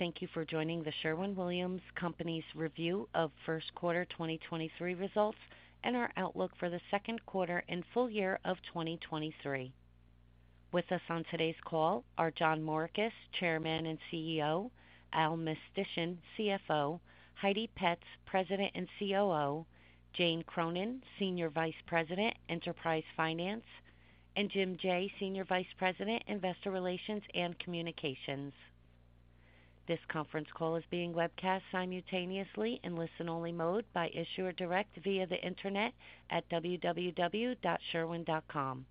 Morning. Thank you for joining The Sherwin-Williams Company's review of first quarter 2023 results and our outlook for the second quarter and full year of 2023. With us on today's call are John Morikis, Chairman and CEO, Allen Mistysyn, CFO, Heidi Petz, President and COO, Jane Cronin, Senior Vice President, Enterprise Finance, and Jim Jaye, Senior Vice President, Investor Relations and Communications. This conference call is being webcast simultaneously in listen-only mode by Issuer Direct via the Internet at www.sherwin.com.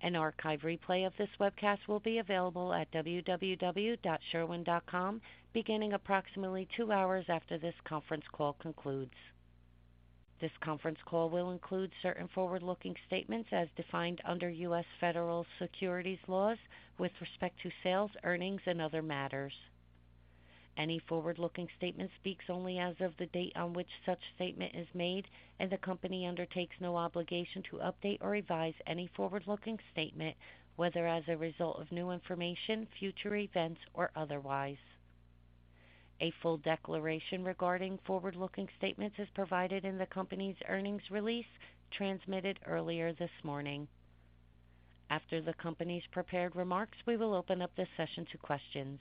An archive replay of this webcast will be available at www.sherwin.com beginning approximately two hours after this conference call concludes. This conference call will include certain forward-looking statements as defined under U.S. Federal Securities laws with respect to sales, earnings, and other matters. Any forward-looking statement speaks only as of the date on which such statement is made, and the company undertakes no obligation to update or revise any forward-looking statement, whether as a result of new information, future events, or otherwise. A full declaration regarding forward-looking statements is provided in the company's earnings release transmitted earlier this morning. After the company's prepared remarks, we will open up this session to questions.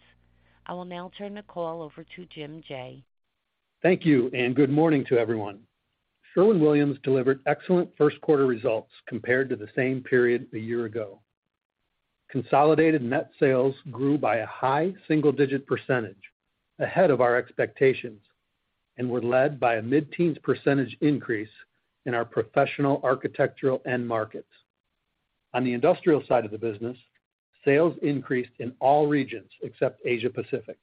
I will now turn the call over to Jim Jaye. Thank you, and good morning to everyone. Sherwin-Williams delivered excellent first quarter results compared to the same period a year ago. Consolidated net sales grew by a high single-digit %, ahead of our expectations, and were led by a mid-teens % increase in our professional architectural end markets. On the industrial side of the business, sales increased in all regions except Asia Pacific.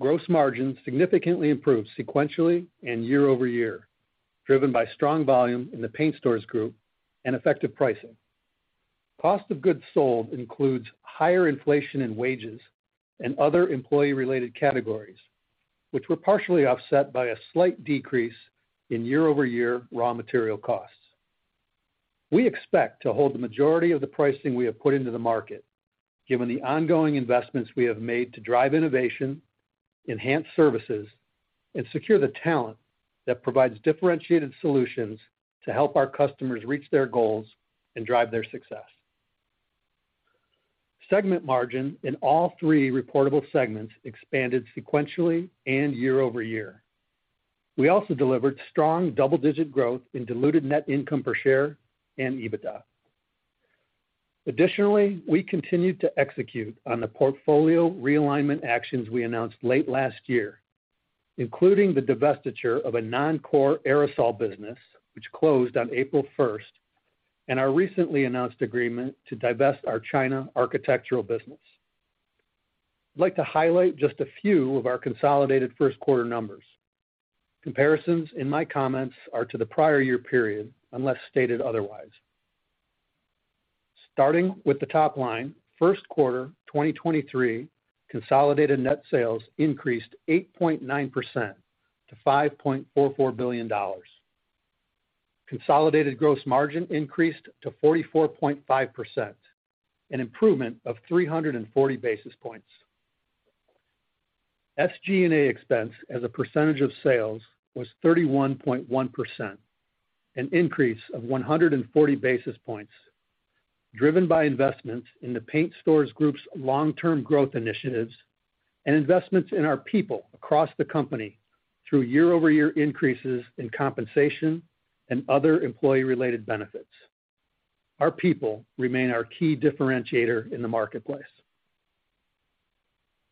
Gross margin significantly improved sequentially and year-over-year, driven by strong volume in the Paint Stores Group and effective pricing. Cost of goods sold includes higher inflation in wages and other employee-related categories, which were partially offset by a slight decrease in year-over-year raw material costs. We expect to hold the majority of the pricing we have put into the market, given the ongoing investments we have made to drive innovation, enhance services, and secure the talent that provides differentiated solutions to help our customers reach their goals and drive their success. Segment margin in all three reportable segments expanded sequentially and year-over-year. We also delivered strong double-digit growth in diluted net income per share and EBITDA. Additionally, we continued to execute on the portfolio realignment actions we announced late last year, including the divestiture of a non-core aerosol business, which closed on April first, and our recently announced agreement to divest our China architectural business. I'd like to highlight just a few of our consolidated first quarter numbers. Comparisons in my comments are to the prior year period, unless stated otherwise. Starting with the top line, first quarter 2023 consolidated net sales increased 8.9% to $5.44 billion. Consolidated gross margin increased to 44.5%, an improvement of 340 basis points. SG&A expense as a percentage of sales was 31.1%, an increase of 140 basis points, driven by investments in the Paint Stores Group's long-term growth initiatives and investments in our people across the company through year-over-year increases in compensation and other employee-related benefits. Our people remain our key differentiator in the marketplace.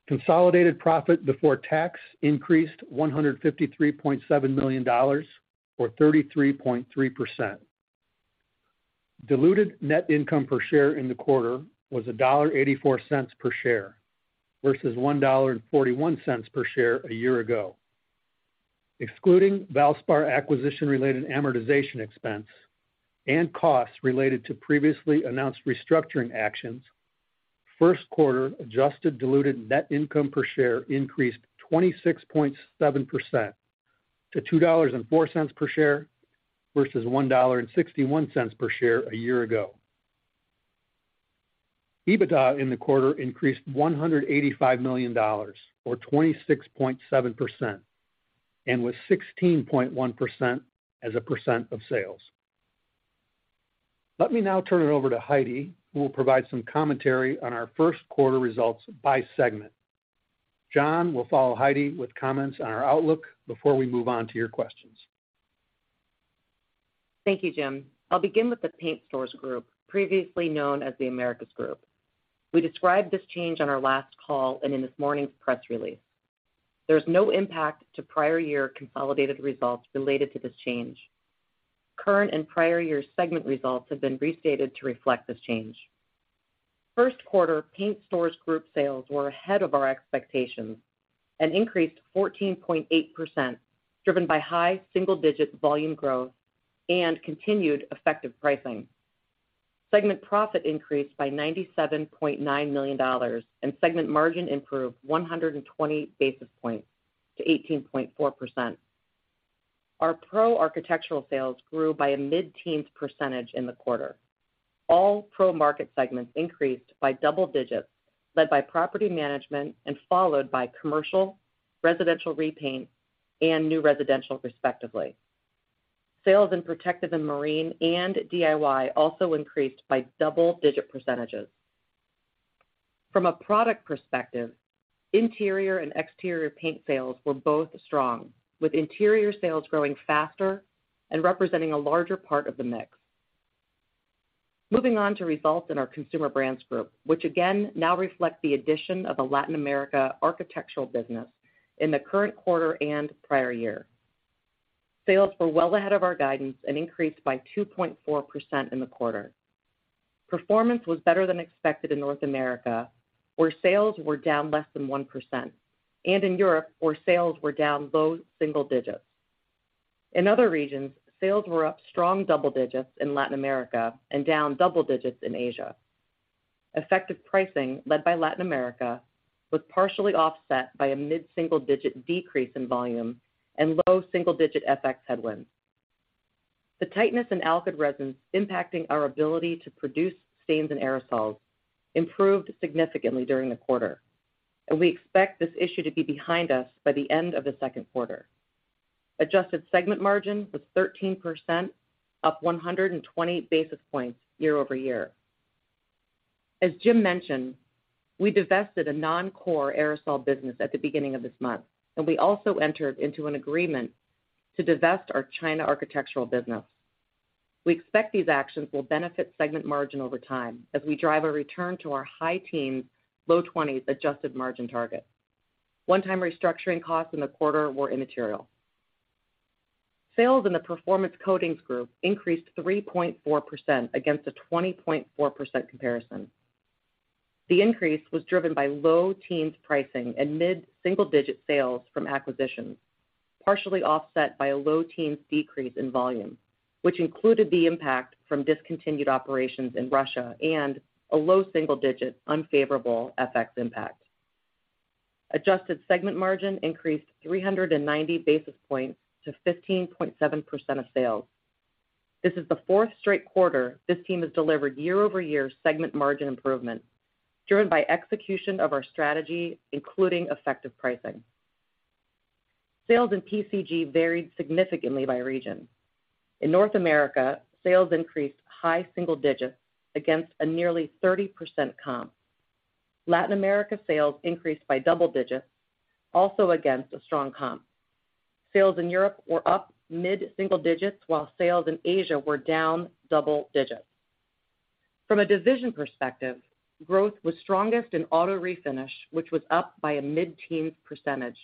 Consolidated profit before tax increased $153.7 million or 33.3%. Diluted net income per share in the quarter was $1.84 per share versus $1.41 per share a year ago. Excluding Valspar acquisition-related amortization expense and costs related to previously announced restructuring actions, first quarter adjusted diluted net income per share increased 26.7% to $2.04 per share versus $1.61 per share a year ago. EBITDA in the quarter increased $185 million or 26.7% and was 16.1% as a percent of sales. Let me now turn it over to Heidi, who will provide some commentary on our first quarter results by segment. John will follow Heidi with comments on our outlook before we move on to your questions. Thank you, Jim. I'll begin with the Paint Stores Group, previously known as The Americas Group. We described this change on our last call and in this morning's press release. There's no impact to prior year consolidated results related to this change. Current and prior year segment results have been restated to reflect this change. First quarter Paint Stores Group sales were ahead of our expectations and increased 14.8%, driven by high single-digit volume growth and continued effective pricing. Segment profit increased by $97.9 million, and segment margin improved 120 basis points to 18.4%. Our Pro architectural sales grew by a mid-teens percentage in the quarter. All Pro market segments increased by double digits, led by property management and followed by commercial, residential repaint, and new residential respectively. Sales in protective and marine and DIY also increased by double-digit %. From a product perspective, interior and exterior paint sales were both strong, with interior sales growing faster and representing a larger part of the mix. Moving on to results in our Consumer Brands Group, which again now reflect the addition of the Latin America architectural business in the current quarter and prior year. Sales were well ahead of our guidance and increased by 2.4% in the quarter. Performance was better than expected in North America, where sales were down less than 1%, and in Europe, where sales were down low single digits. In other regions, sales were up strong double digits in Latin America and down double digits in Asia. Effective pricing led by Latin America was partially offset by a mid-single-digit decrease in volume and low single-digit FX headwinds. The tightness in alkyd resins impacting our ability to produce stains and aerosols improved significantly during the quarter, and we expect this issue to be behind us by the end of the second quarter. Adjusted segment margin was 13%, up 120 basis points year-over-year. As Jim mentioned, we divested a non-core aerosol business at the beginning of this month, and we also entered into an agreement to divest our China architectural business. We expect these actions will benefit segment margin over time as we drive a return to our high teens, low twenties adjusted margin target. One-time restructuring costs in the quarter were immaterial. Sales in the Performance Coatings Group increased 3.4% against a 20.4% comparison. The increase was driven by low teens pricing and mid-single-digit sales from acquisitions, partially offset by a low teens decrease in volume, which included the impact from discontinued operations in Russia and a low single-digit unfavorable FX impact. Adjusted segment margin increased 390 basis points to 15.7% of sales. This is the fourth straight quarter this team has delivered year-over-year segment margin improvement, driven by execution of our strategy, including effective pricing. Sales in PCG varied significantly by region. In North America, sales increased high single digits against a nearly 30% comp. Latin America sales increased by double digits, also against a strong comp. Sales in Europe were up mid-single digits, while sales in Asia were down double digits. From a division perspective, growth was strongest in auto refinish, which was up by a mid-teens %,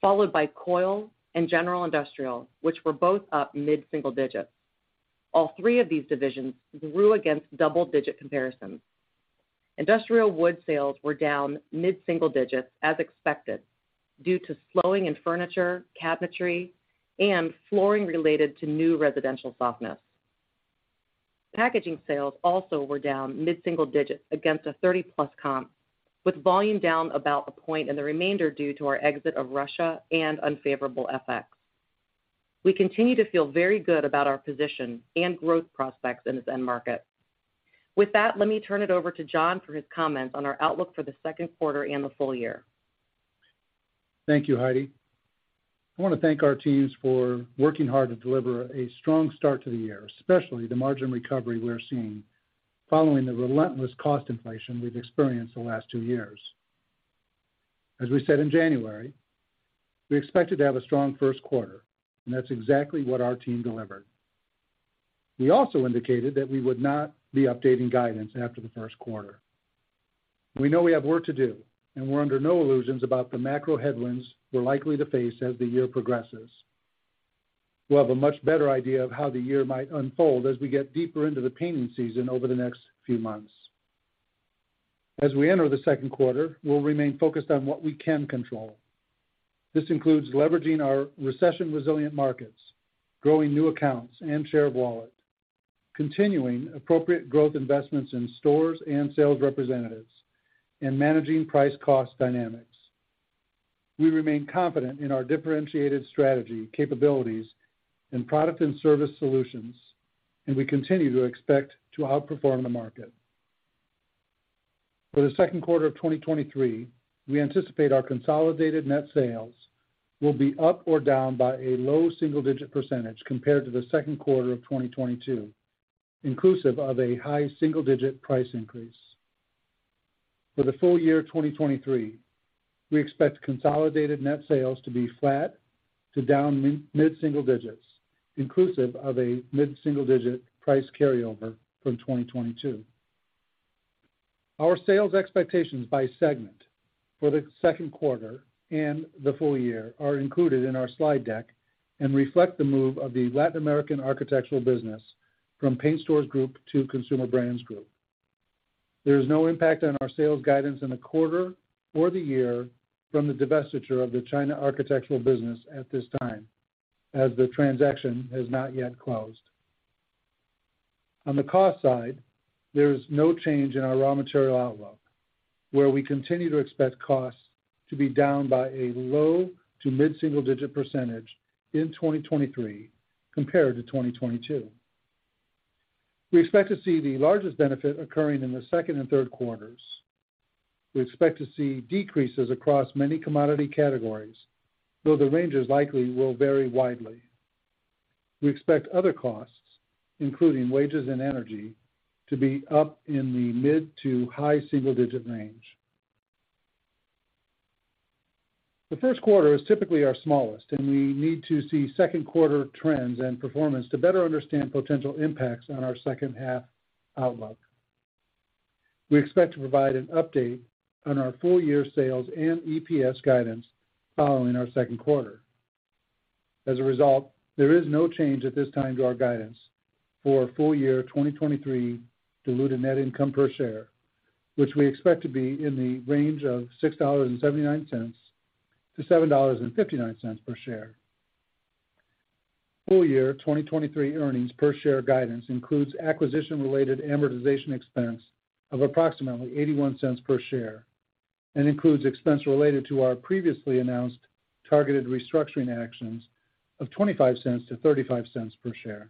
followed by coil and general industrial, which were both up mid-single digits. All three of these divisions grew against double-digit comparisons. Industrial wood sales were down mid-single digits, as expected, due to slowing in furniture, cabinetry, and flooring related to new residential softness. Packaging sales also were down mid-single digits against a 30+ comp, with volume down about a point and the remainder due to our exit of Russia and unfavorable FX. We continue to feel very good about our position and growth prospects in this end market. With that, let me turn it over to John for his comments on our outlook for the second quarter and the full year. Thank you, Heidi. I want to thank our teams for working hard to deliver a strong start to the year, especially the margin recovery we're seeing following the relentless cost inflation we've experienced the last two years. As we said in January, we expected to have a strong first quarter, and that's exactly what our team delivered. We also indicated that we would not be updating guidance after the first quarter. We know we have work to do, and we're under no illusions about the macro headwinds we're likely to face as the year progresses. We'll have a much better idea of how the year might unfold as we get deeper into the painting season over the next few months. As we enter the second quarter, we'll remain focused on what we can control. This includes leveraging our recession-resilient markets, growing new accounts and share of wallet, continuing appropriate growth investments in stores and sales representatives, and managing price-cost dynamics. We remain confident in our differentiated strategy, capabilities, and product and service solutions, and we continue to expect to outperform the market. For the second quarter of 2023, we anticipate our consolidated net sales will be up or down by a low single-digit % compared to the second quarter of 2022, inclusive of a high single-digit % price increase. For the full year 2023, we expect consolidated net sales to be flat to down mid-single-digit %, inclusive of a mid-single-digit % price carryover from 2022. Our sales expectations by segment for the second quarter and the full year are included in our slide deck and reflect the move of the Latin American architectural business from Paint Stores Group to Consumer Brands Group. There is no impact on our sales guidance in the quarter or the year from the divestiture of the China architectural business at this time, as the transaction has not yet closed. On the cost side, there's no change in our raw material outlook, where we continue to expect costs to be down by a low to mid-single digit % in 2023 compared to 2022. We expect to see the largest benefit occurring in the second and third quarters. We expect to see decreases across many commodity categories, though the ranges likely will vary widely. We expect other costs, including wages and energy, to be up in the mid to high single digit range. The first quarter is typically our smallest. We need to see second quarter trends and performance to better understand potential impacts on our second half outlook. We expect to provide an update on our full year sales and EPS guidance following our second quarter. As a result, there is no change at this time to our guidance for full year 2023 diluted net income per share, which we expect to be in the range of $6.79-$7.59 per share. Full year 2023 earnings per share guidance includes acquisition-related amortization expense of approximately $0.81 per share and includes expense related to our previously announced targeted restructuring actions of $0.25-$0.35 per share.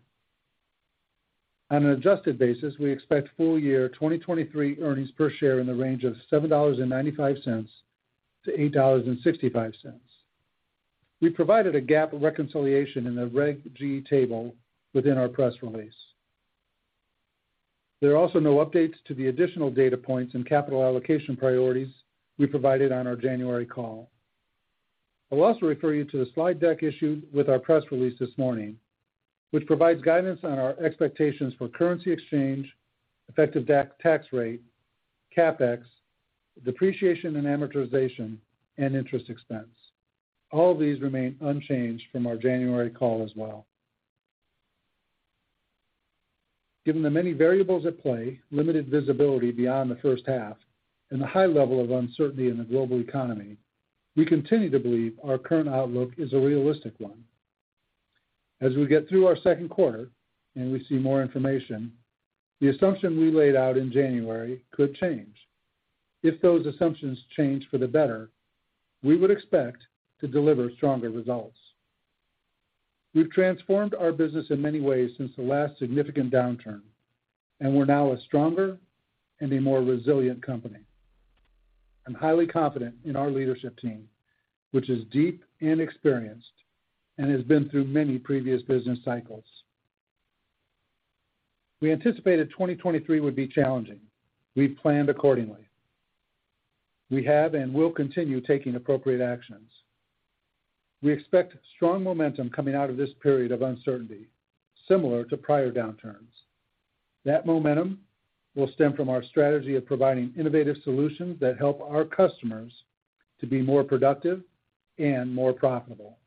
On an adjusted basis, we expect full year 2023 earnings per share in the range of $7.95-$8.65. We provided a GAAP reconciliation in the Regulation G table within our press release. There are also no updates to the additional data points and capital allocation priorities we provided on our January call. I'll also refer you to the slide deck issued with our press release this morning, which provides guidance on our expectations for currency exchange, effective tax rate, CapEx, depreciation and amortization, and interest expense. All of these remain unchanged from our January call as well. Given the many variables at play, limited visibility beyond the first half, and the high level of uncertainty in the global economy, we continue to believe our current outlook is a realistic one. As we get through our second quarter and we see more information, the assumption we laid out in January could change. If those assumptions change for the better, we would expect to deliver stronger results. We've transformed our business in many ways since the last significant downturn, and we're now a stronger and a more resilient company. I'm highly confident in our leadership team, which is deep and experienced and has been through many previous business cycles. We anticipated 2023 would be challenging. We've planned accordingly. We have and will continue taking appropriate actions. We expect strong momentum coming out of this period of uncertainty, similar to prior downturns. That momentum will stem from our strategy of providing innovative solutions that help our customers to be more productive and more profitable.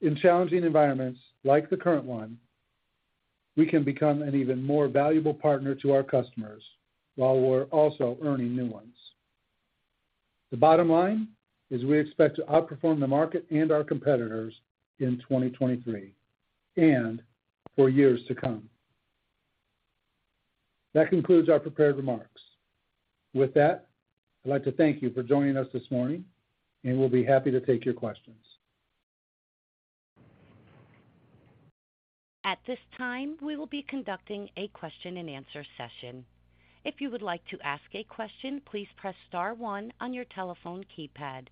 In challenging environments like the current one, we can become an even more valuable partner to our customers while we're also earning new ones. The bottom line is we expect to outperform the market and our competitors in 2023 and for years to come. That concludes our prepared remarks. With that, I'd like to thank you for joining us this morning, and we'll be happy to take your questions. At this time, we will be conducting a question-and-answer session. If you would like to ask a question, please press Star One on your telephone keypad.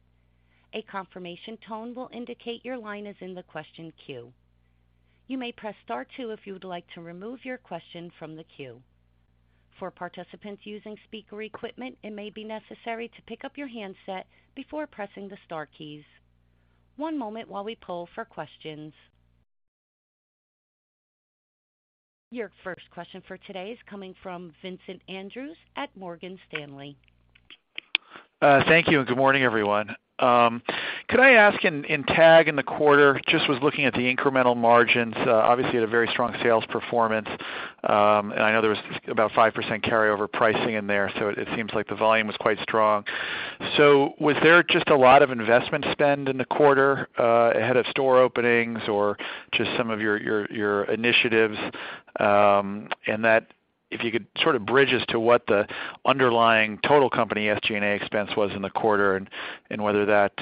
A confirmation tone will indicate your line is in the question queue. You may press Star Two if you would like to remove your question from the queue. For participants using speaker equipment, it may be necessary to pick up your handset before pressing the star keys. One moment while we poll for questions. Your first question for today is coming from Vincent Andrews at Morgan Stanley. Thank you, and good morning, everyone. Could I ask in TAG in the quarter, just was looking at the incremental margins, obviously had a very strong sales performance, and I know there was about 5% carryover pricing in there, so it seems like the volume was quite strong. Was there just a lot of investment spend in the quarter, ahead of store openings or just some of your initiatives, and that if you could sort of bridge us to what the underlying total company SG&A expense was in the quarter and whether that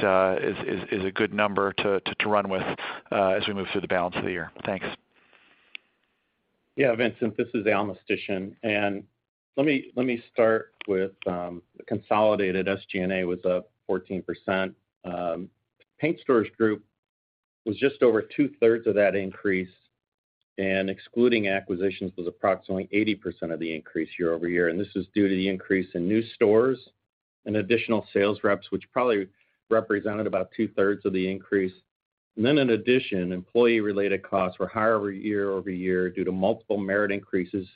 is a good number to run with as we move through the balance of the year? Thanks. Yeah, Vincent, this is Allen Mistysyn. Let me start with the Consolidated SG&A was up 14%. Paint Stores Group was just over two-thirds of that increase, and excluding acquisitions was approximately 80% of the increase year-over-year, and this is due to the increase in new stores and additional sales reps, which probably represented about 2/3 of the increase. In addition, employee-related costs were higher year-over-year due to multiple merit increases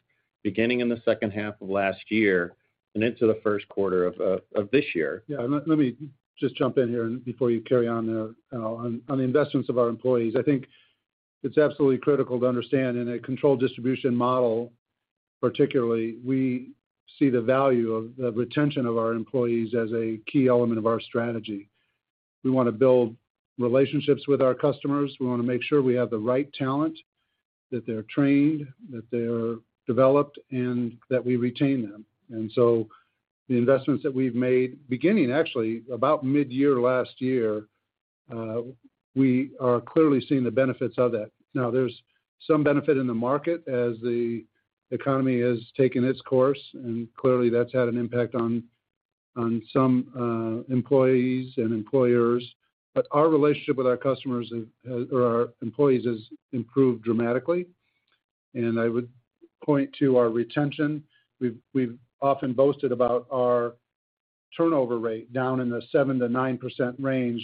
beginning in the second half of last year and into the first quarter of this year. Yeah. Let me just jump in here. Before you carry on there, Al. On the investments of our employees, I think it's absolutely critical to understand in a controlled distribution model, particularly, we see the value of the retention of our employees as a key element of our strategy. We want to build relationships with our customers. We want to make sure we have the right talent, that they're trained, that they're developed, and that we retain them. The investments that we've made, beginning actually about mid-year last year, we are clearly seeing the benefits of that. Now, there's some benefit in the market as the economy has taken its course, and clearly that's had an impact on some employees and employers. Our relationship with our customers or our employees has improved dramatically, and I would point to our retention. We've often boasted about our turnover rate down in the 7%-9% range,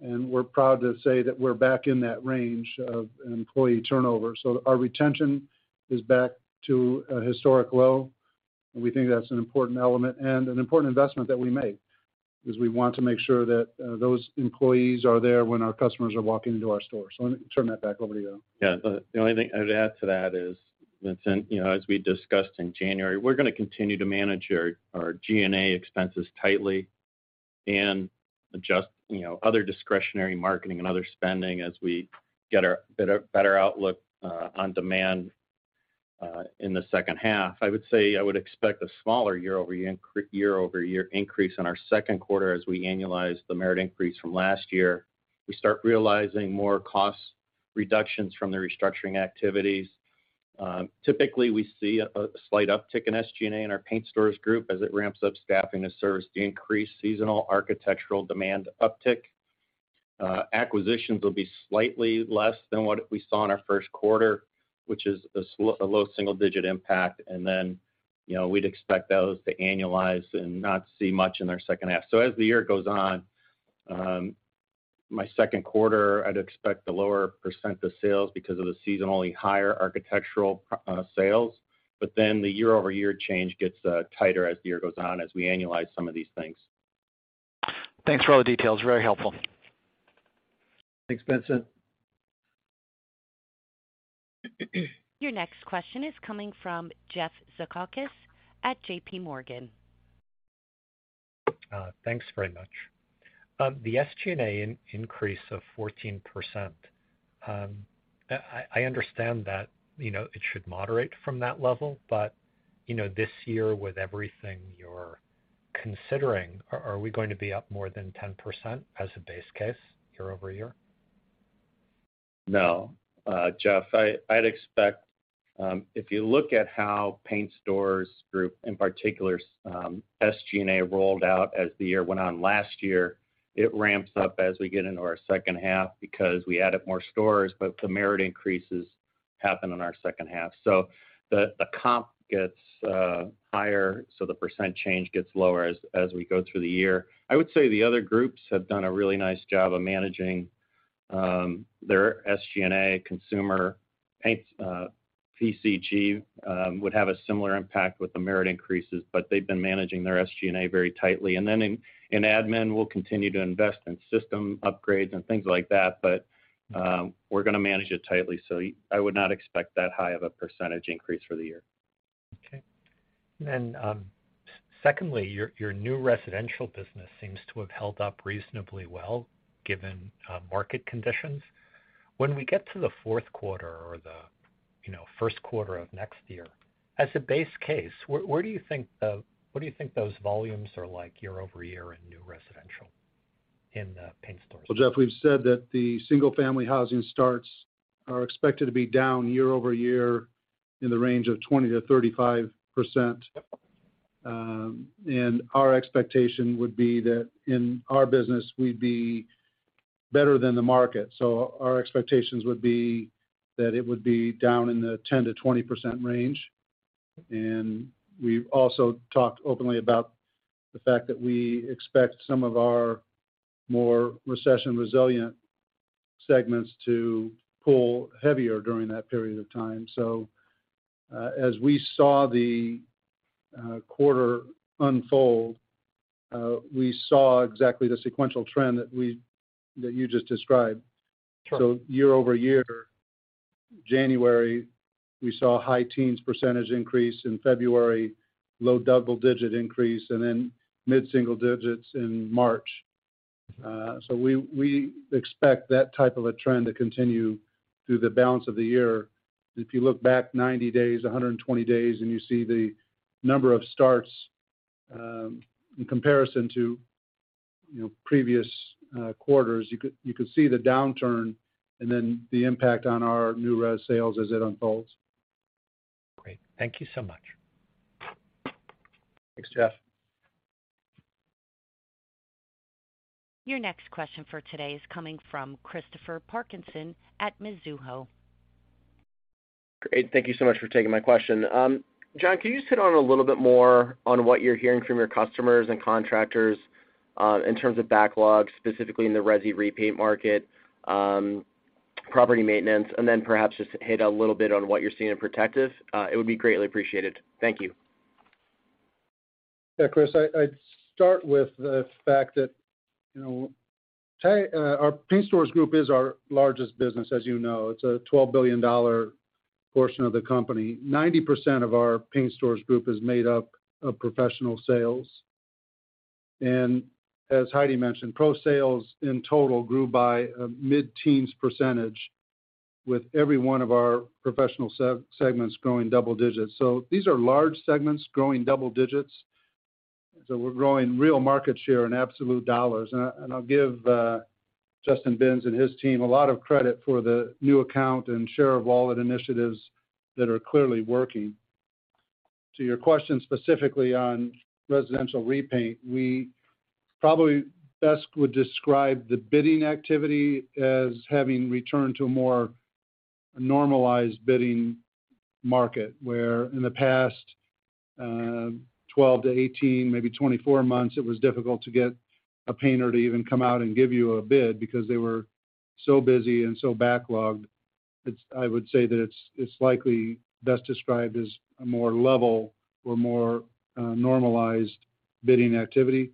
and we're proud to say that we're back in that range of employee turnover. Our retention is back to a historic low, and we think that's an important element and an important investment that we make, because we want to make sure that those employees are there when our customers are walking into our stores. Let me turn that back over to you. The only thing I'd add to that is, Vincent, you know, as we discussed in January, we're gonna continue to manage our G&A expenses tightly and adjust, you know, other discretionary marketing and other spending as we get a better outlook on demand in the second half. I would expect a smaller year-over-year increase in our second quarter as we annualize the merit increase from last year. We start realizing more cost reductions from the restructuring activities. Typically, we see a slight uptick in SG&A in our Paint Stores Group as it ramps up staffing to service the increased seasonal architectural demand uptick. Acquisitions will be slightly less than what we saw in our first quarter, which is a low single-digit impact. You know, we'd expect those to annualize and not see much in our second half. As the year goes on, my second quarter, I'd expect a percent of sales because of the seasonally higher architectural sales. The year-over-year change gets tighter as the year goes on as we annualize some of these things. Thanks for all the details. Very helpful. Thanks, Vincent. Your next question is coming from Jeff Zekauskas at JPMorgan. Thanks very much. The SG&A increase of 14%, I understand that, you know, it should moderate from that level, but, you know, this year with everything you're considering, are we going to be up more than 10% as a base case year-over-year? No. Jeff, I'd expect, if you look at how Paint Stores Group, in particular, some SG&A rolled out as the year went on last year, it ramps up as we get into our second half because we added more stores, but the merit increases happen in our second half. The comp gets higher, so the % change gets lower as we go through the year. I would say the other groups have done a really nice job of managing their SG&A consumer paint. PCG would have a similar impact with the merit increases, but they've been managing their SG&A very tightly. In admin, we'll continue to invest in system upgrades and things like that, but we're gonna manage it tightly, so I would not expect that high of a percentage increase for the year. Okay. Secondly, your new residential business seems to have held up reasonably well given market conditions. When we get to the fourth quarter or the, you know, first quarter of next year, as a base case, where do you think what do you think those volumes are like year-over-year in new residential in the Paint Stores? Well, Jeff, we've said that the single-family housing starts are expected to be down year-over-year in the range of 20%-35%. Our expectation would be that in our business, we'd be better than the market. Our expectations would be that it would be down in the 10%-20% range. We've also talked openly about the fact that we expect some of our more recession-resilient segments to pull heavier during that period of time. As we saw the quarter unfold, we saw exactly the sequential trend that you just described. Sure. Year-over-year, January, we saw a high teens percentage increase, in February low double-digit % increase, and then mid-single-digit percentage in March. We expect that type of a trend to continue through the balance of the year. If you look back 90 days, 120 days, and you see the number of starts, in comparison to, you know, previous quarters, you could see the downturn and then the impact on our new res sales as it unfolds. Great. Thank you so much. Thanks, Jeff. Your next question for today is coming from Christopher Parkinson at Mizuho. Great. Thank you so much for taking my question. John, can you just hit on a little bit more on what you're hearing from your customers and contractors, in terms of backlog, specifically in the resi repaint market, property maintenance, and then perhaps just hit a little bit on what you're seeing in protective? It would be greatly appreciated. Thank you. Yeah, Chris, I'd start with the fact that, you know, our Paint Stores Group is our largest business, as you know. It's a $12 billion portion of the company. 90% of our Paint Stores Group is made up of professional sales. As Heidi mentioned, pro sales in total grew by a mid-teens % with every one of our professional segments growing double digits. These are large segments growing double digits. We're growing real market share in absolute dollars. I, and I'll give Justin Binns and his team a lot of credit for the new account and share of wallet initiatives that are clearly working. To your question specifically on residential repaint, we probably best would describe the bidding activity as having returned to a more normalized bidding market, where in the past, 12-18, maybe 24 months, it was difficult to get a painter to even come out and give you a bid because they were so busy and so backlogged. I would say that it's likely best described as a more level or more normalized bidding activity.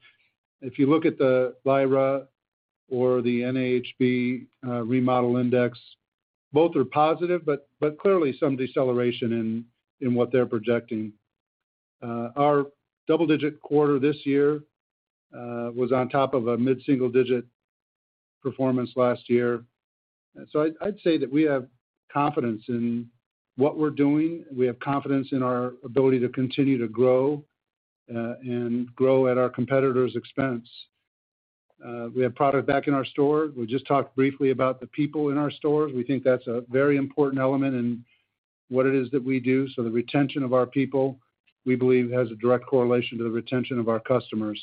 You look at the LIRA or the NAHB remodel index, both are positive, but clearly some deceleration in what they're projecting. Our double-digit quarter this year was on top of a mid-single digit performance last year. I'd say that we have confidence in what we're doing. We have confidence in our ability to continue to grow and grow at our competitors' expense. We have product back in our store. We just talked briefly about the people in our store. We think that's a very important element in what it is that we do. The retention of our people, we believe has a direct correlation to the retention of our customers.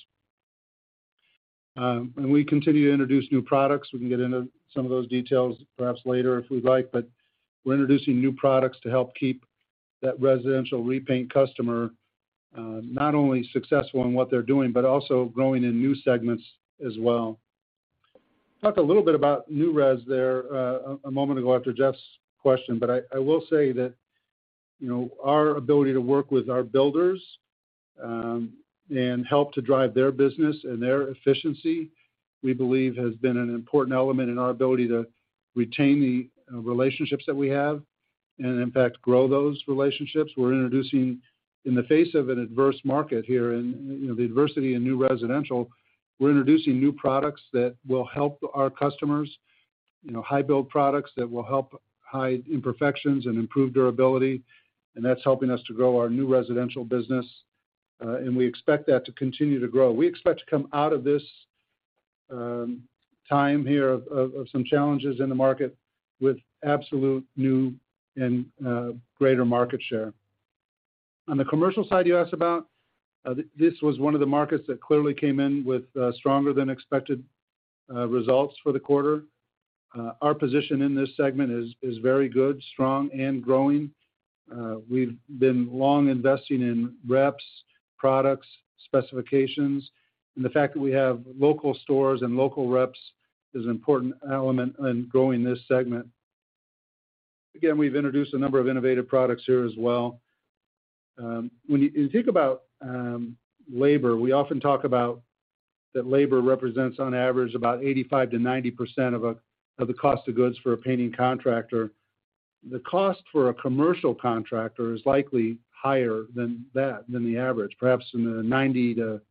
We continue to introduce new products. We can get into some of those details perhaps later if we'd like, but we're introducing new products to help keep that residential repaint customer, not only successful in what they're doing, but also growing in new segments as well. Talked a little bit about new res there, a moment ago after Jeff's question, but I will say that, you know, our ability to work with our builders, and help to drive their business and their efficiency, we believe has been an important element in our ability to retain the relationships that we have, and in fact, grow those relationships. We're introducing in the face of an adverse market here and, you know, the adversity in new residential, we're introducing new products that will help our customers, you know, high build products that will help hide imperfections and improve durability, and that's helping us to grow our new residential business. We expect that to continue to grow. We expect to come out of this time here of some challenges in the market with absolute new and greater market share. On the commercial side, you asked about, this was one of the markets that clearly came in with stronger than expected results for the quarter. Our position in this segment is very good, strong, and growing. We've been long investing in reps, products, specifications, and the fact that we have local stores and local reps is an important element in growing this segment. Again, we've introduced a number of innovative products here as well. When you think about labor, we often talk about that labor represents on average about 85% to 90% of the cost of goods for a painting contractor. The cost for a commercial contractor is likely higher than that, than the average, perhaps in the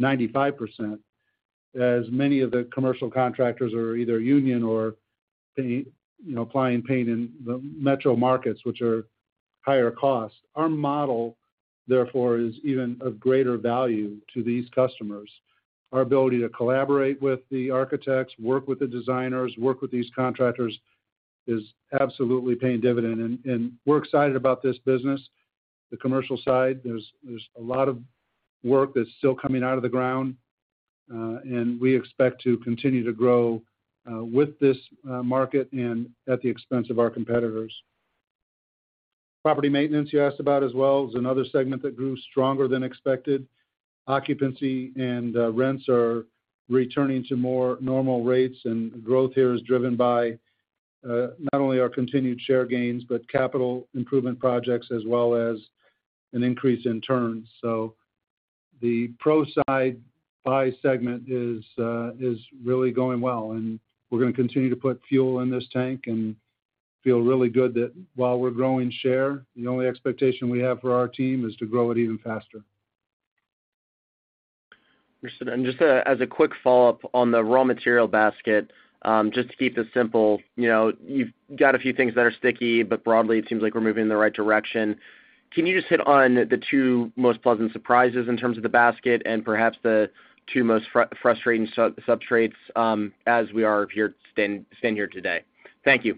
90%-95%, as many of the commercial contractors are either union or paint, you know, applying paint in the metro markets, which are higher cost. Our model, therefore, is even of greater value to these customers. Our ability to collaborate with the architects, work with the designers, work with these contractors is absolutely paying dividend. We're excited about this business. The commercial side, there's a lot of work that's still coming out of the ground, and we expect to continue to grow with this market and at the expense of our competitors. Property maintenance, you asked about as well, is another segment that grew stronger than expected. Occupancy and rents are returning to more normal rates. Growth here is driven by not only our continued share gains, but capital improvement projects as well as an increase in turns. The pro side by segment is really going well, and we're gonna continue to put fuel in this tank and feel really good that while we're growing share, the only expectation we have for our team is to grow it even faster. Christian, just as a quick follow-up on the raw material basket, just to keep this simple, you know, you've got a few things that are sticky, but broadly it seems like we're moving in the right direction. Can you just hit on the two most pleasant surprises in terms of the basket and perhaps the two most frustrating substrates, as we are if you're stand here today? Thank you.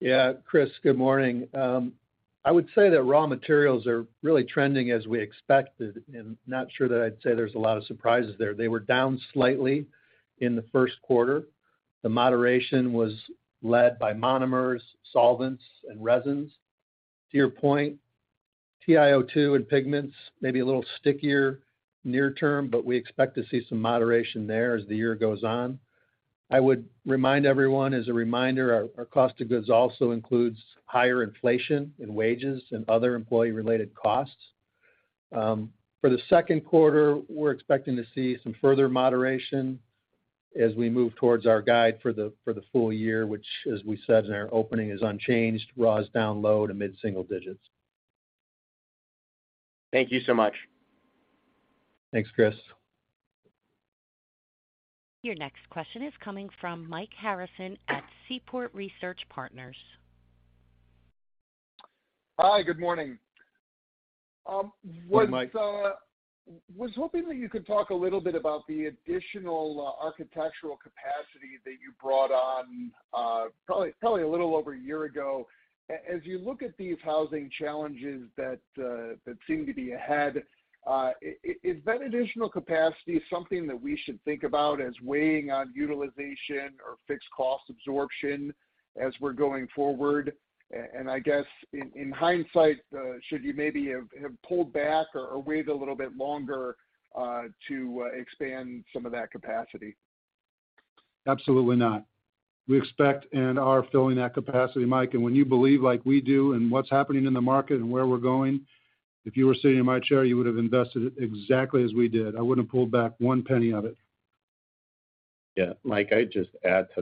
Yeah. Chris, good morning. I would say that raw materials are really trending as we expected. I'm not sure that I'd say there's a lot of surprises there. They were down slightly in the first quarter. The moderation was led by monomers, solvents, and resins. To your point, TIO2 and pigments may be a little stickier near term, we expect to see some moderation there as the year goes on. I would remind everyone, as a reminder, our cost of goods also includes higher inflation in wages and other employee-related costs. For the second quarter, we're expecting to see some further moderation as we move towards our guide for the full year, which as we said in our opening, is unchanged, raw is down low to mid-single digits. Thank you so much. Thanks, Chris. Your next question is coming from Mike Harrison at Seaport Research Partners. Hi, good morning. Hi, Mike. Was hoping that you could talk a little bit about the additional, architectural capacity that you brought on, probably a little over a year ago. As you look at these housing challenges that seem to be ahead, is that additional capacity something that we should think about as weighing on utilization or fixed cost absorption as we're going forward? I guess in hindsight, should you maybe have pulled back or waited a little bit longer, to, expand some of that capacity? Absolutely not. We expect and are filling that capacity, Mike. When you believe like we do in what's happening in the market and where we're going, if you were sitting in my chair, you would have invested exactly as we did. I wouldn't have pulled back $0.01 of it. Yeah, Mike, I'd just add to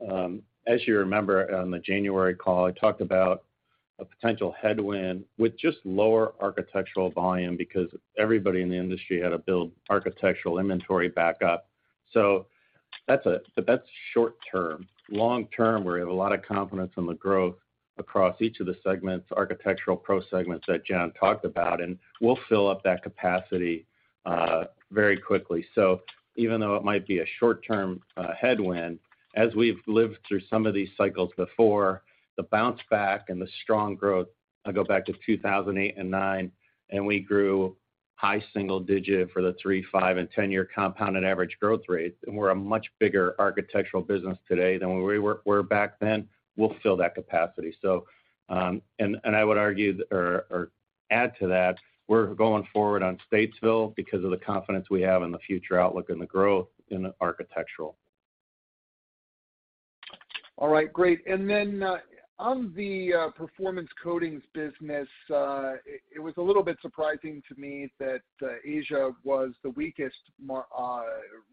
that. As you remember on the January call, I talked about a potential headwind with just lower architectural volume because everybody in the industry had to build architectural inventory back up. That's short term. Long term, we have a lot of confidence in the growth across each of the segments, architectural pro segments that John talked about. We'll fill up that capacity very quickly. Even though it might be a short-term headwind, as we've lived through some of these cycles before, the bounce back and the strong growth, I go back to 2008 and 2009. We grew high single digit for the three, five, and 10-year compounded average growth rates. We're a much bigger architectural business today than we were back then. We'll fill that capacity. I would argue or add to that, we're going forward on Statesville because of the confidence we have in the future outlook and the growth in architectural. All right, great. Then, on the Performance Coatings business, it was a little bit surprising to me that Asia was the weakest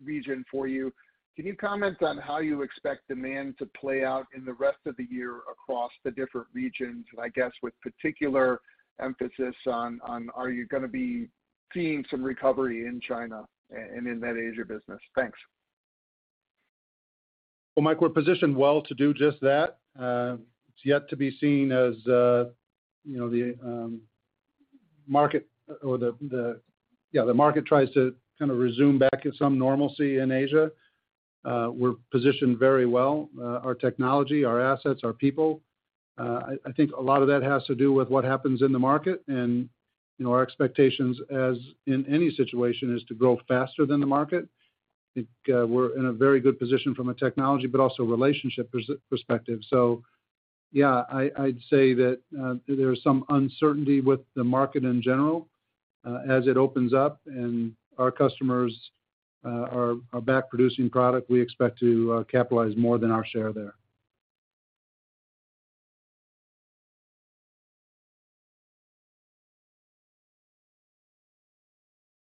region for you. Can you comment on how you expect demand to play out in the rest of the year across the different regions, and I guess with particular emphasis on are you gonna be seeing some recovery in China and in that Asia business? Thanks. Well, Mike, we're positioned well to do just that. It's yet to be seen as, you know, the market tries to kind of resume back to some normalcy in Asia. We're positioned very well, our technology, our assets, our people. I think a lot of that has to do with what happens in the market, and, you know, our expectations, as in any situation, is to grow faster than the market. I think we're in a very good position from a technology but also relationship perspective. Yeah, I'd say that there's some uncertainty with the market in general. As it opens up and our customers are back producing product, we expect to capitalize more than our share there.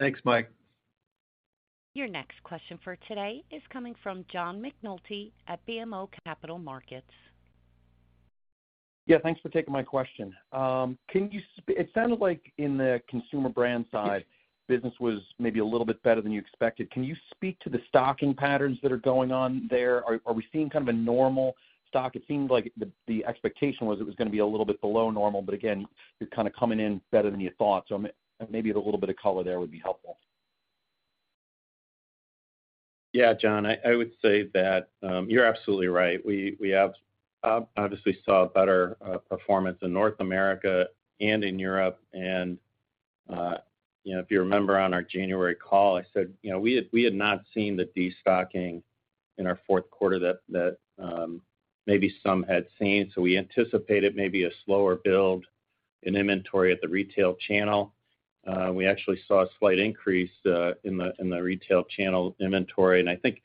Thanks, Mike. Your next question for today is coming from John McNulty at BMO Capital Markets. Yeah, thanks for taking my question. It sounded like in the Consumer Brands side, business was maybe a little bit better than you expected. Can you speak to the stocking patterns that are going on there? Are we seeing kind of a normal stock? It seemed like the expectation was it was gonna be a little bit below normal, but again, you're kind of coming in better than you thought. Maybe a little bit of color there would be helpful. Yeah, John, I would say that, you're absolutely right. We have obviously saw a better, performance in North America and in Europe. You know, if you remember on our January call, I said, you know, we had not seen the destocking in our fourth quarter that maybe some had seen. So we anticipated maybe a slower build in inventory at the retail channel. We actually saw a slight increase, in the retail channel inventory. I think,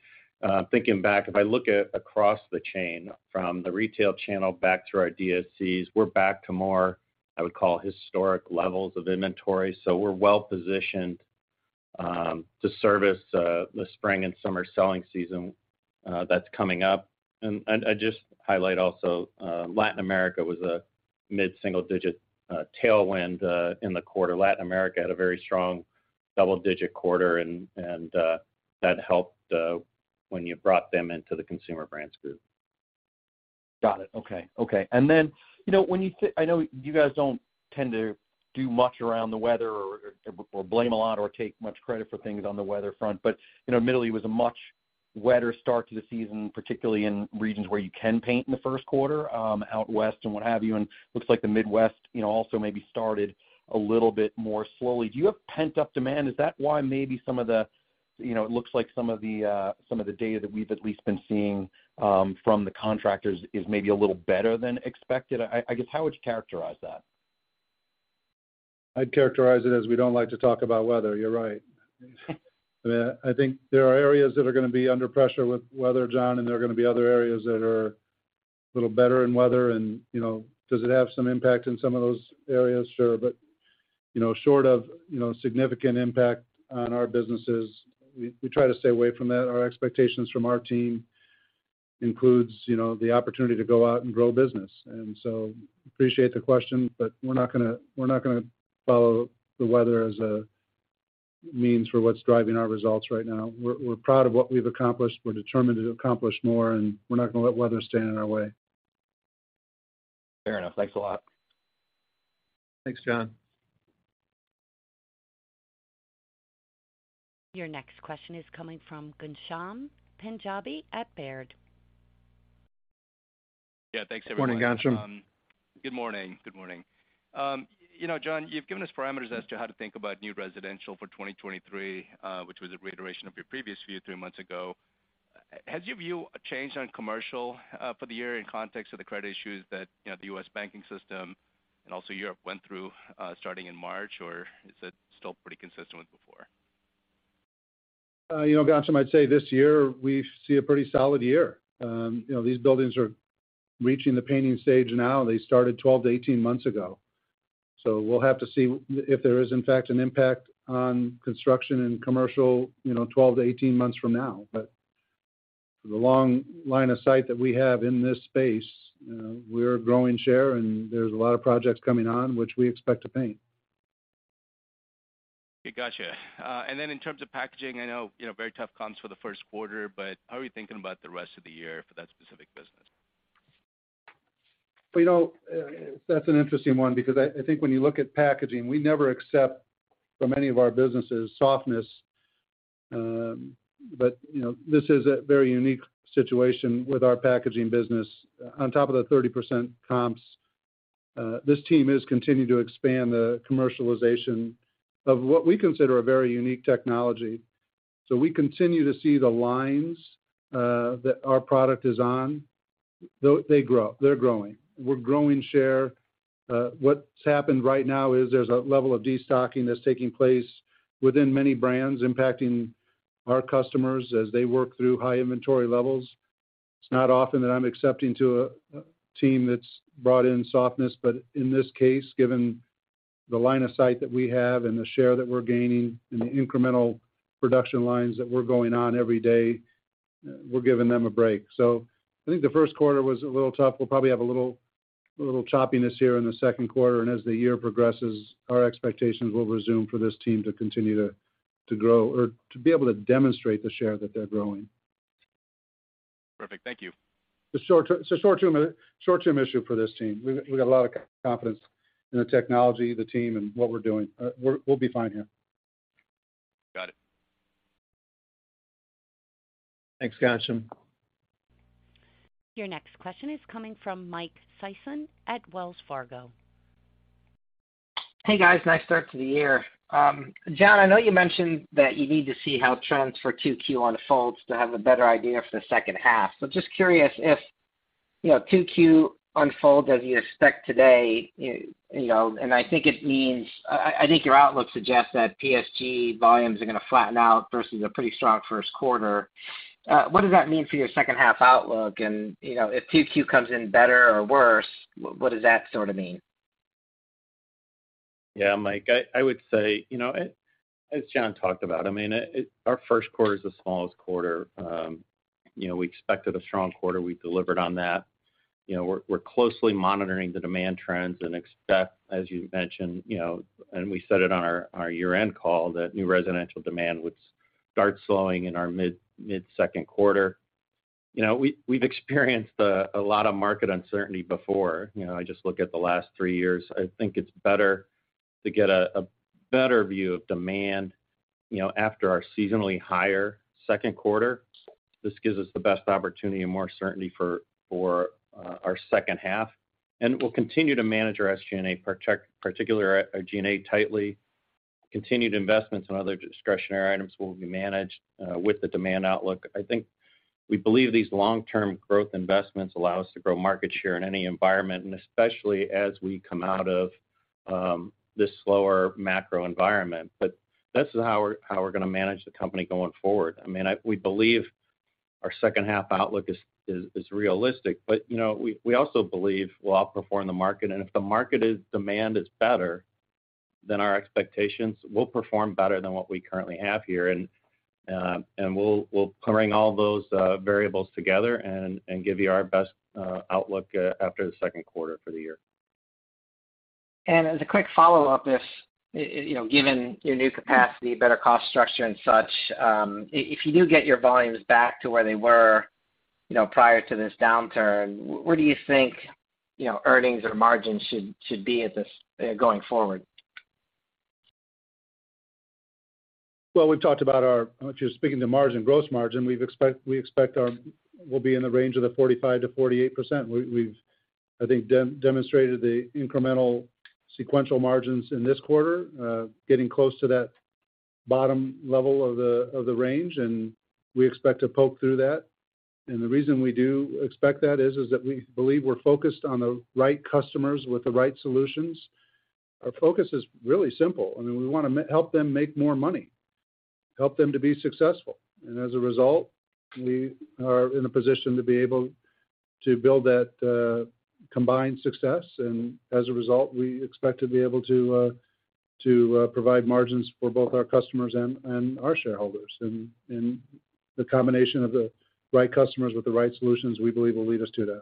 thinking back, if I look at across the chain from the retail channel back to our DSCs, we're back to more, I would call, historic levels of inventory. So we're well-positioned, to service, the spring and summer selling season, that's coming up. I just highlight also, Latin America was a mid-single digit tailwind in the quarter. Latin America had a very strong double-digit quarter and that helped when you brought them into the Consumer Brands Group. Got it. Okay. Okay. Then, you know, when you say I know you guys don't tend to do much around the weather or blame a lot or take much credit for things on the weather front, but you know, middle of you was a much wetter start to the season, particularly in regions where you can paint in the first quarter, out west and what have you. Looks like the Midwest, you know, also maybe started a little bit more slowly. Do you have pent-up demand? Is that why maybe some of the, you know, it looks like some of the data that we've at least been seeing from the contractors is maybe a little better than expected? I guess, how would you characterize that? I'd characterize it as we don't like to talk about weather. You're right. I mean, I think there are areas that are gonna be under pressure with weather, John, and there are gonna be other areas that are a little better in weather and, you know, does it have some impact in some of those areas? Sure. You know, short of, you know, significant impact on our businesses, we try to stay away from that. Our expectations from our team includes, you know, the opportunity to go out and grow business. Appreciate the question, but we're not gonna, we're not gonna follow the weather as a means for what's driving our results right now. We're, we're proud of what we've accomplished. We're determined to accomplish more, we're not gonna let weather stand in our way. Fair enough. Thanks a lot. Thanks, John. Your next question is coming from Ghansham Panjabi at Baird. Yeah, thanks everyone. Morning, Ghansham. Good morning. Good morning. You know, John, you've given us parameters as to how to think about new residential for 2023, which was a reiteration of your previous view three months ago. Has your view changed on commercial for the year in context of the credit issues that, you know, the U.S. banking system and also Europe went through, starting in March? Or is it still pretty consistent with before? You know, Ghansham, I'd say this year we see a pretty solid year. You know, these buildings are reaching the painting stage now. They started 12 to 18 months ago. We'll have to see if there is in fact an impact on construction and commercial, you know, 12 to 18 months from now. For the long line of sight that we have in this space, you know, we're growing share, and there's a lot of projects coming on which we expect to paint. Okay. Gotcha. In terms of packaging, I know, you know, very tough comps for the first quarter, how are you thinking about the rest of the year for that specific business? Well, you know, that's an interesting one because I think when you look at packaging, we never accept from any of our businesses softness. You know, this is a very unique situation with our packaging business. On top of the 30% comps, this team is continuing to expand the commercialization of what we consider a very unique technology. We continue to see the lines that our product is on. They grow. They're growing. We're growing share. What's happened right now is there's a level of destocking that's taking place within many brands, impacting our customers as they work through high inventory levels. It's not often that I'm accepting to a team that's brought in softness, but in this case, given the line of sight that we have and the share that we're gaining and the incremental production lines that we're going on every day, we're giving them a break. I think the first quarter was a little tough. We'll probably have a little choppiness here in the second quarter. As the year progresses, our expectations will resume for this team to continue to grow or to be able to demonstrate the share that they're growing. Perfect. Thank you. It's a short-term issue for this team. We've got a lot of confidence in the technology, the team, and what we're doing. We'll be fine here. Got it. Thanks, Ghansham. Your next question is coming from Michael Sison at Wells Fargo. Hey, guys. Nice start to the year. John, I know you mentioned that you need to see how trends for 2Q unfolds to have a better idea for the second half. Just curious if, you know, 2Q unfolds as you expect today, you know, I think your outlook suggests that PSG volumes are gonna flatten out versus a pretty strong 1st quarter. What does that mean for your second half outlook? You know, if 2Q comes in better or worse, what does that sort of mean? Yeah, Mike, would say, you know, John talked about, I mean, our first quarter is the smallest quarter. You know, we expected a strong quarter. We delivered on that. You know, we closely monitoring the demand trends and expect, as you mentioned, you know, and we said it on our year-end call, that new residential demand would start slowing in our second quarter. You know, we've experienced a lot of market uncertainty before. You know, I just look at the last three years. I think it's better to get a better view of demand, you know, after our seasonally higher second quarter. This gives us the best opportunity and more certainty for our second half. We'll continue to manage our SG&A, particular our G&A tightly. Continued investments in other discretionary items will be managed with the demand outlook. I think we believe these long-term growth investments allow us to grow market share in any environment, and especially as we come out of this slower macro environment. This is how we're gonna manage the company going forward. I mean, we believe our second half outlook is realistic. You know, we also believe we'll outperform the market, and if the market demand is better than our expectations, we'll perform better than what we currently have here. We'll bring all those variables together and give you our best outlook after the second quarter for the year. As a quick follow-up, if, you know, given your new capacity, better cost structure and such, if you do get your volumes back to where they were, you know, prior to this downturn, where do you think, you know, earnings or margins should be at this going forward? Well, we've talked about Just speaking to margin, gross margin, We'll be in the range of the 45%-48%. We've, I think, demonstrated the incremental sequential margins in this quarter, getting close to that bottom level of the range, and we expect to poke through that. The reason we do expect that is that we believe we're focused on the right customers with the right solutions. Our focus is really simple. I mean, we wanna help them make more money. Help them to be successful. As a result, we are in a position to be able to build that combined success. As a result, we expect to be able to provide margins for both our customers and our shareholders. The combination of the right customers with the right solutions we believe will lead us to that.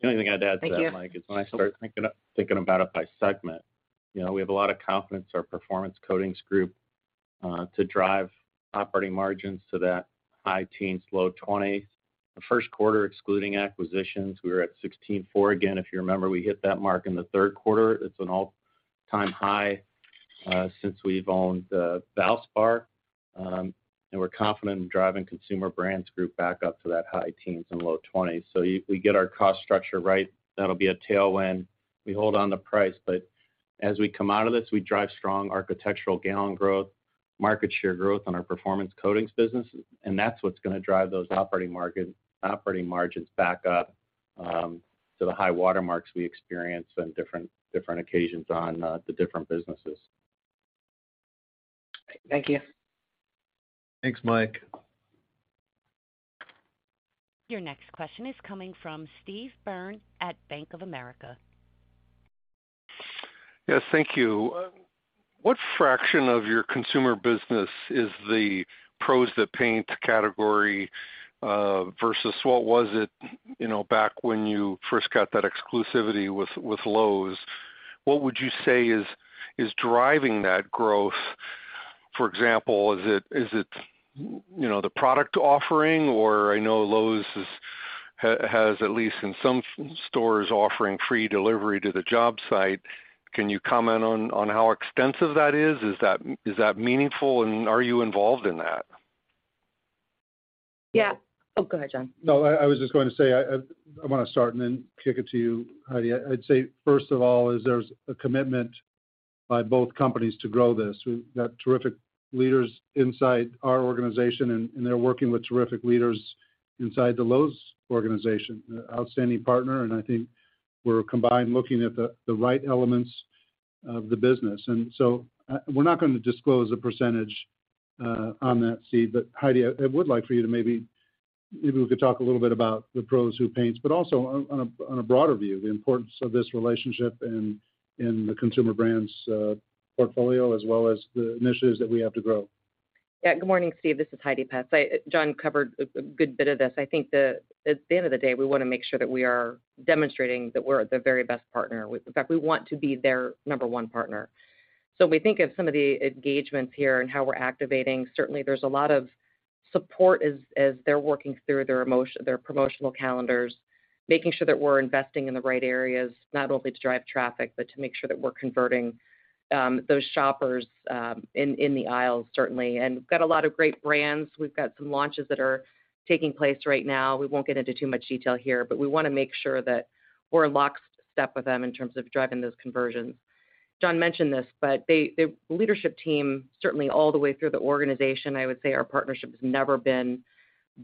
The only thing I'd add to that, Mike, is when I start thinking about it by segment, you know, we have a lot of confidence in our Performance Coatings Group to drive operating margins to that high teens, low 20s. The first quarter, excluding acquisitions, we were at 16.4%. Again, if you remember, we hit that mark in the third quarter. It's an all-time high since we've owned Valspar. And we're confident in driving Consumer Brands Group back up to that high teens and low 20s. If we get our cost structure right, that'll be a tailwind. We hold on to price. As we come out of this, we drive strong architectural gallon growth, market share growth on our Performance Coatings business. That's what's gonna drive those operating margins back up to the high water marks we experience on different occasions on the different businesses. Thank you. Thanks, Mike. Your next question is coming from Steve Byrne at Bank of America. Yes, thank you. What fraction of your consumer business is the Pros Who Paint category, versus what was it, you know, back when you first got that exclusivity with Lowe's? What would you say is driving that growth? For example, is it, you know, the product offering, or I know Lowe's is at least in some stores offering free delivery to the job site. Can you comment on how extensive that is? Is that meaningful, and are you involved in that? Yeah. Oh, go ahead, John. No, I was just going to say, I want to start and then kick it to you, Heidi. I'd say, first of all, there's a commitment by both companies to grow this. We've got terrific leaders inside our organization, and they're working with terrific leaders inside the Lowe's organization, outstanding partner, and I think we're combined looking at the right elements of the business. We're not gonna disclose a percentage on that, Steve. Heidi, I would like for you to maybe we could talk a little bit about the Pros Who Paint, but also on a broader view, the importance of this relationship in the Consumer Brands portfolio, as well as the initiatives that we have to grow. Yeah. Good morning, Steve. This is Heidi Petz. John covered a good bit of this. I think at the end of the day, we wanna make sure that we are demonstrating that we're the very best partner. In fact, we want to be their number one partner. We think of some of the engagements here and how we're activating. Certainly, there's a lot of support as they're working through their promotional calendars, making sure that we're investing in the right areas, not only to drive traffic, but to make sure that we're converting those shoppers in the aisles, certainly. We've got a lot of great brands. We've got some launches that are taking place right now. We won't get into too much detail here, we wanna make sure that we're in lockstep with them in terms of driving those conversions. John mentioned this, their leadership team, certainly all the way through the organization, I would say our partnership has never been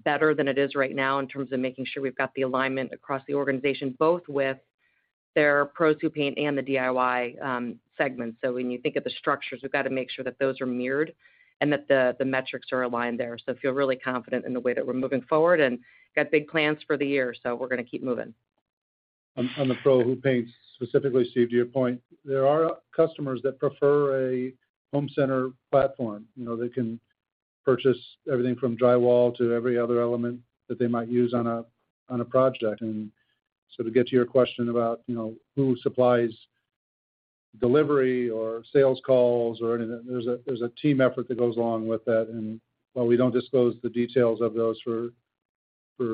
better than it is right now in terms of making sure we've got the alignment across the organization, both with their Pro to Paint and the DIY segments. When you think of the structures, we've got to make sure that those are mirrored and that the metrics are aligned there. Feel really confident in the way that we're moving forward and got big plans for the year, so we're gonna keep moving. On the Pro Who Paints specifically, Steve, to your point, there are customers that prefer a home center platform. You know, they can purchase everything from drywall to every other element that they might use on a project. To get to your question about, you know, who supplies delivery or sales calls. There's a team effort that goes along with that. While we don't disclose the details of those for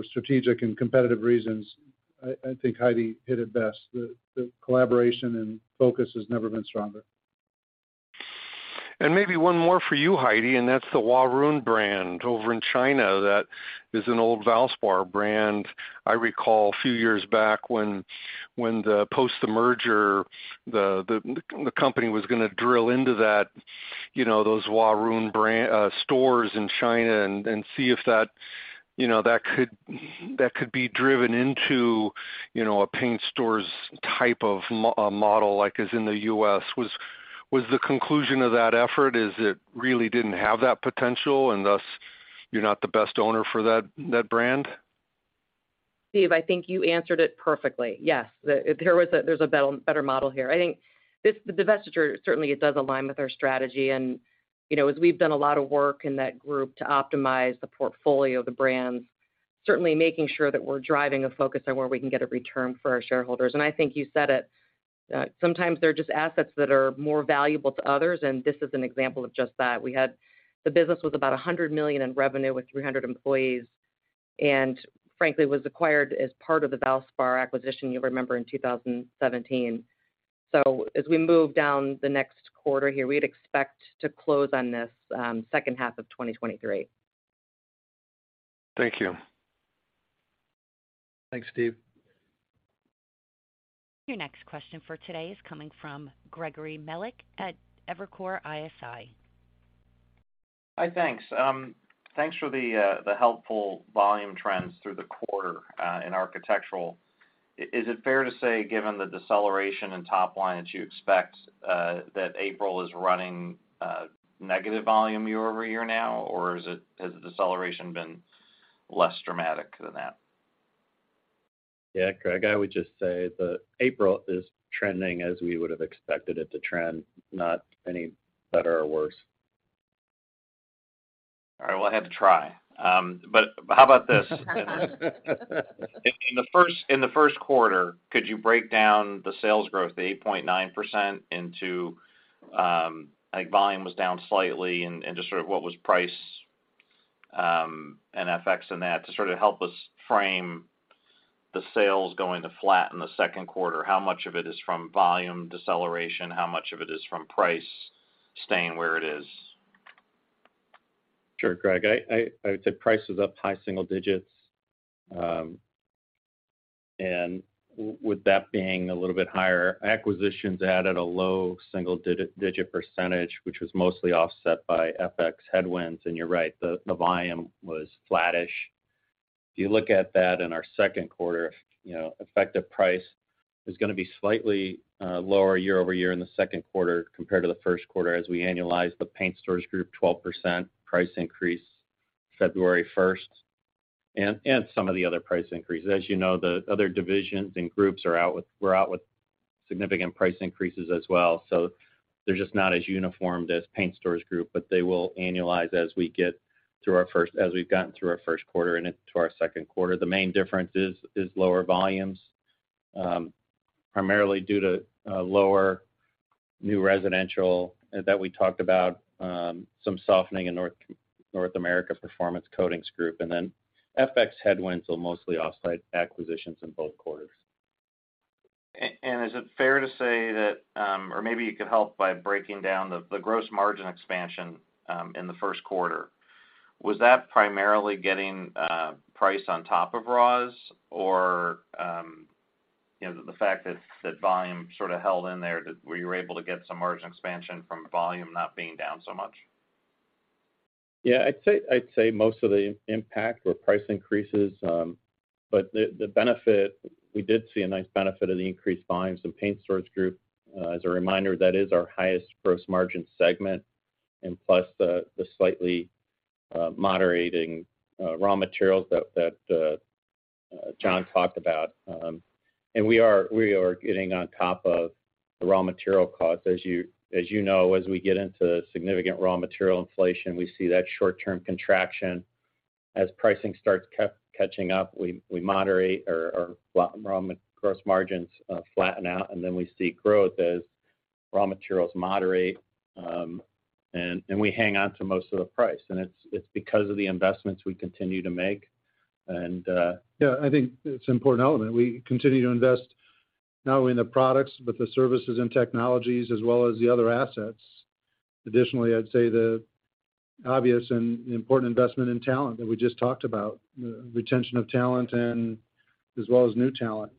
strategic and competitive reasons, I think Heidi hit it best. The collaboration and focus has never been stronger. Maybe one more for you, Heidi, and that's the Huarun brand over in China that is an old Valspar brand. I recall a few years back when the post the merger, the company was gonna drill into that, you know, those Huarun brand stores in China and see if that, you know, that could, that could be driven into, you know, a paint stores type of model like is in the U.S. Was the conclusion of that effort is it really didn't have that potential and thus you're not the best owner for that brand? Steve, I think you answered it perfectly. Yes. There's a better model here. I think this, the divestiture, certainly it does align with our strategy. You know, as we've done a lot of work in that group to optimize the portfolio of the brands, certainly making sure that we're driving a focus on where we can get a return for our shareholders. I think you said it, sometimes they're just assets that are more valuable to others, and this is an example of just that. We had the business with about $100 million in revenue with 300 employees, and frankly, was acquired as part of the Valspar acquisition, you'll remember, in 2017. As we move down the next quarter here, we'd expect to close on this second half of 2023. Thank you. Thanks, Steve. Your next question for today is coming from Gregory Melich at Evercore ISI. Hi, thanks. Thanks for the helpful volume trends through the quarter in architectural. Is it fair to say, given the deceleration in top line that you expect that April is running negative volume year-over-year now, or has the deceleration been less dramatic than that? Yeah, Greg, I would just say that April is trending as we would have expected it to trend, not any better or worse. All right. Well, I have to try. How about this? In the first, in the first quarter, could you break down the sales growth, the 8.9% into, like, volume was down slightly and just sort of what was price and FX in that to sort of help us frame the sales going to flatten the second quarter? How much of it is from volume deceleration? How much of it is from price staying where it is? Sure, Greg. I would say price is up high single digits. With that being a little bit higher, acquisitions added a low single digit percentage, which was mostly offset by FX headwinds. You're right, the volume was flattish. If you look at that in our second quarter, you know, effective price is gonna be slightly lower year-over-year in the second quarter compared to the first quarter as we annualize the Paint Stores Group 12% price increase February first, and some of the other price increases. You know, the other divisions and groups were out with significant price increases as well. They're just not as uniform as Paint Stores Group, but they will annualize as we've gotten through our first quarter and into our second quarter. The main difference is lower volumes, primarily due to lower new residential that we talked about, some softening in North America Performance Coatings Group. Then FX headwinds will mostly offset acquisitions in both quarters. Is it fair to say that, or maybe you could help by breaking down the gross margin expansion in the first quarter? Was that primarily getting price on top of raws? Or, you know, the fact that volume sort of held in there, were you able to get some margin expansion from volume not being down so much? Yeah. I'd say most of the impact were price increases, but the benefit, we did see a nice benefit of the increased volumes in Paint Stores Group. As a reminder, that is our highest gross margin segment, and plus the slightly moderating raw materials that John talked about. We are getting on top of the raw material costs. As you know, as we get into significant raw material inflation, we see that short-term contraction. As pricing starts catching up, we moderate or gross margins flatten out, and then we see growth as raw materials moderate, and we hang on to most of the price. It's because of the investments we continue to make and. I think it's an important element. We continue to invest not only in the products, but the services and technologies as well as the other assets. Additionally, I'd say the obvious and important investment in talent that we just talked about, the retention of talent and as well as new talent.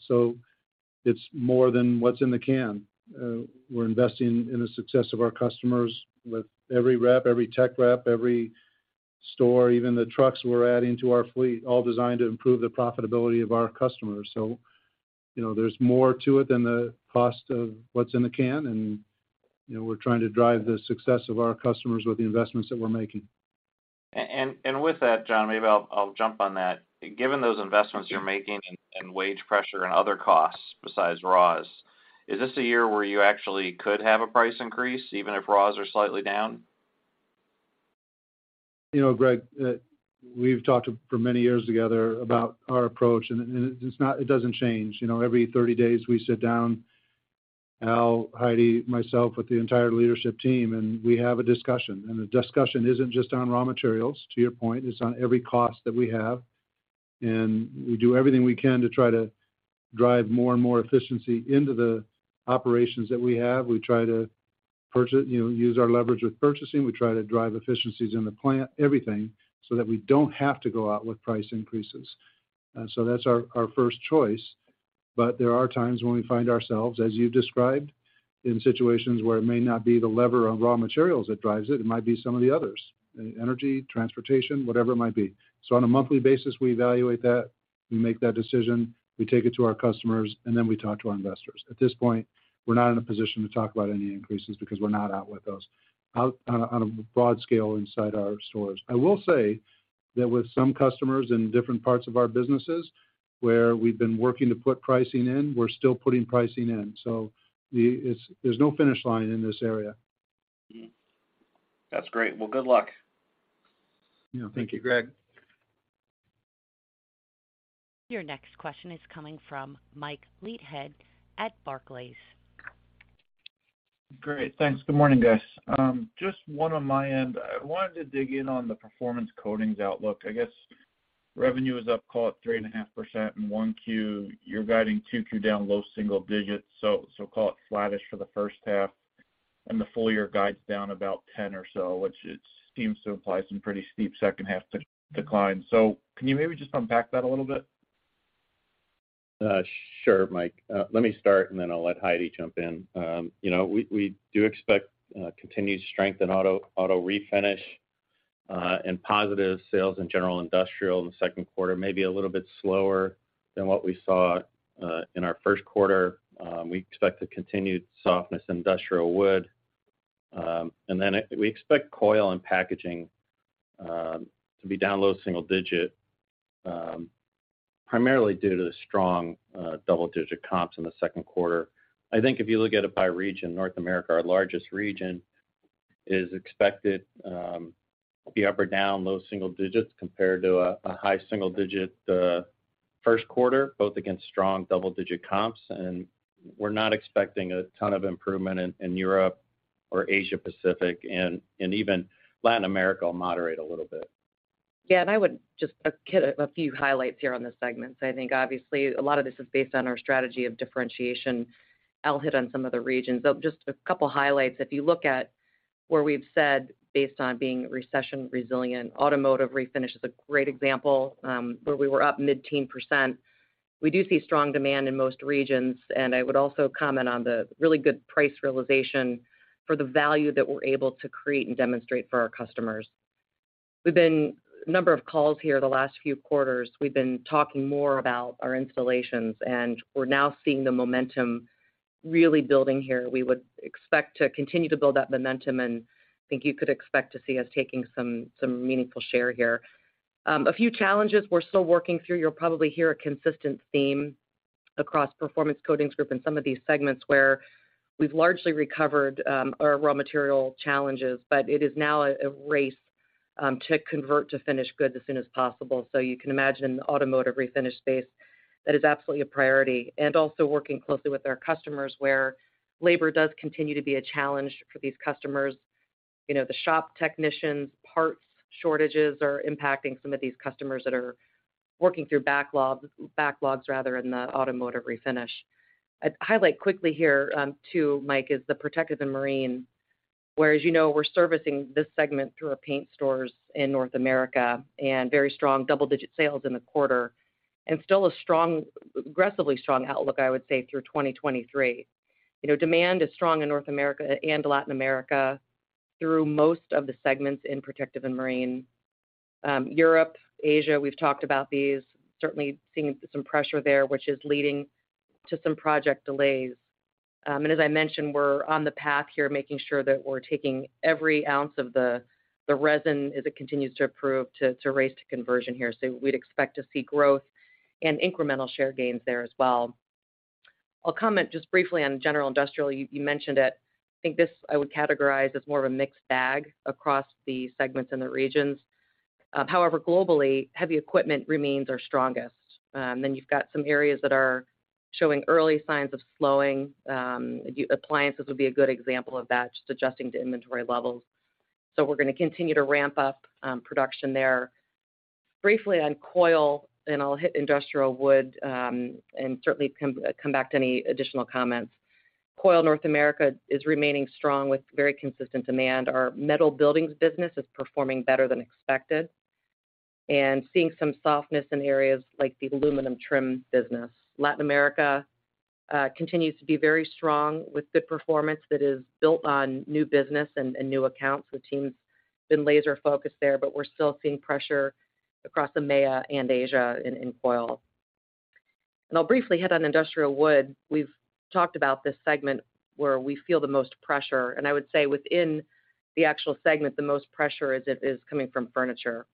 It's more than what's in the can. We're investing in the success of our customers with every rep, every tech rep, every store, even the trucks we're adding to our fleet, all designed to improve the profitability of our customers. You know, there's more to it than the cost of what's in the can, and, you know, we're trying to drive the success of our customers with the investments that we're making. With that, John, maybe I'll jump on that. Given those investments you're making and wage pressure and other costs besides raws, is this a year where you actually could have a price increase, even if raws are slightly down? You know, Greg, we've talked for many years together about our approach, it doesn't change. You know, every 30 days, we sit down, Allen, Heidi, myself with the entire leadership team, and we have a discussion. The discussion isn't just on raw materials, to your point, it's on every cost that we have. We do everything we can to try to drive more and more efficiency into the operations that we have. We try to use our leverage with purchasing. We try to drive efficiencies in the plant, everything, so that we don't have to go out with price increases. That's our first choice. There are times when we find ourselves, as you described, in situations where it may not be the lever of raw materials that drives it. It might be some of the others, energy, transportation, whatever it might be. On a monthly basis, we evaluate that, we make that decision, we take it to our customers, then we talk to our investors. At this point, we're not in a position to talk about any increases because we're not out with those on a broad scale inside our stores. I will say that with some customers in different parts of our businesses where we've been working to put pricing in, we're still putting pricing in. There's no finish line in this area. That's great. Well, good luck. Yeah. Thank you, Greg. Your next question is coming from Michael Leithead at Barclays. Great. Thanks. Good morning, guys. Just one on my end. I wanted to dig in on the Performance Coatings outlook. I guess revenue is up, call it 3.5% in 1Q. You're guiding 2Q down low single digits, so call it flattish for the first half. The full year guides down about 10 or so, which it seems to imply some pretty steep second half decline. Can you maybe just unpack that a little bit? Sure, Mike. Let me start, and then I'll let Heidi jump in. you know, we do expect continued strength in auto refinish and positive sales in general industrial in the second quarter, maybe a little bit slower than what we saw in our first quarter. We expect a continued softness in industrial wood. and then we expect coil and packaging to be down low single digit, primarily due to the strong double digit comps in the second quarter. I think if you look at it by region, North America, our largest region, is expected to be up or down low single digits compared to a high single digit first quarter, both against strong double digit comps. We're not expecting a ton of improvement in Europe or Asia Pacific, and even Latin America will moderate a little bit. Yeah, I would just hit a few highlights here on the segments. I think obviously a lot of this is based on our strategy of differentiation. Al hit on some of the regions. Just a couple highlights. If you look at where we've said based on being recession resilient, automotive refinish is a great example where we were up mid-teen percent. We do see strong demand in most regions, and I would also comment on the really good price realization for the value that we're able to create and demonstrate for our customers. We've been, a number of calls here the last few quarters, we've been talking more about our installations, and we're now seeing the momentum really building here. We would expect to continue to build that momentum, and I think you could expect to see us taking some meaningful share here. A few challenges we're still working through. You'll probably hear a consistent theme across Performance Coatings Group in some of these segments where we've largely recovered our raw material challenges, but it is now a race to convert to finished goods as soon as possible. You can imagine in the automotive refinish space, that is absolutely a priority. Also working closely with our customers where labor does continue to be a challenge for these customers. You know, the shop technicians, parts shortages are impacting some of these customers that are working through backlogs rather, in the automotive refinish. I'd highlight quickly here, too, Mike, is the protective and marine, where as you know, we're servicing this segment through our paint stores in North America and very strong double-digit sales in the quarter and still a strong, aggressively strong outlook, I would say, through 2023. You know, demand is strong in North America and Latin America through most of the segments in protective and marine. Europe, Asia, we've talked about these. Certainly seeing some pressure there, which is leading to some project delays. As I mentioned, we're on the path here making sure that we're taking every ounce of the resin as it continues to improve to raise to conversion here. We'd expect to see growth and incremental share gains there as well. I'll comment just briefly on general industrial. You mentioned it. I think this I would categorize as more of a mixed bag across the segments in the regions. Globally, heavy equipment remains our strongest. You've got some areas that are showing early signs of slowing. Appliances would be a good example of that, just adjusting to inventory levels. We're gonna continue to ramp up production there. Briefly on coil, I'll hit industrial wood and certainly come back to any additional comments. Coil North America is remaining strong with very consistent demand. Our metal buildings business is performing better than expected and seeing some softness in areas like the aluminum trim business. Latin America continues to be very strong with good performance that is built on new business and new accounts. The team's been laser focused there, we're still seeing pressure across EMEA and Asia in coil. I'll briefly hit on industrial wood. We've talked about this segment where we feel the most pressure, I would say within the actual segment, the most pressure is coming from furniture.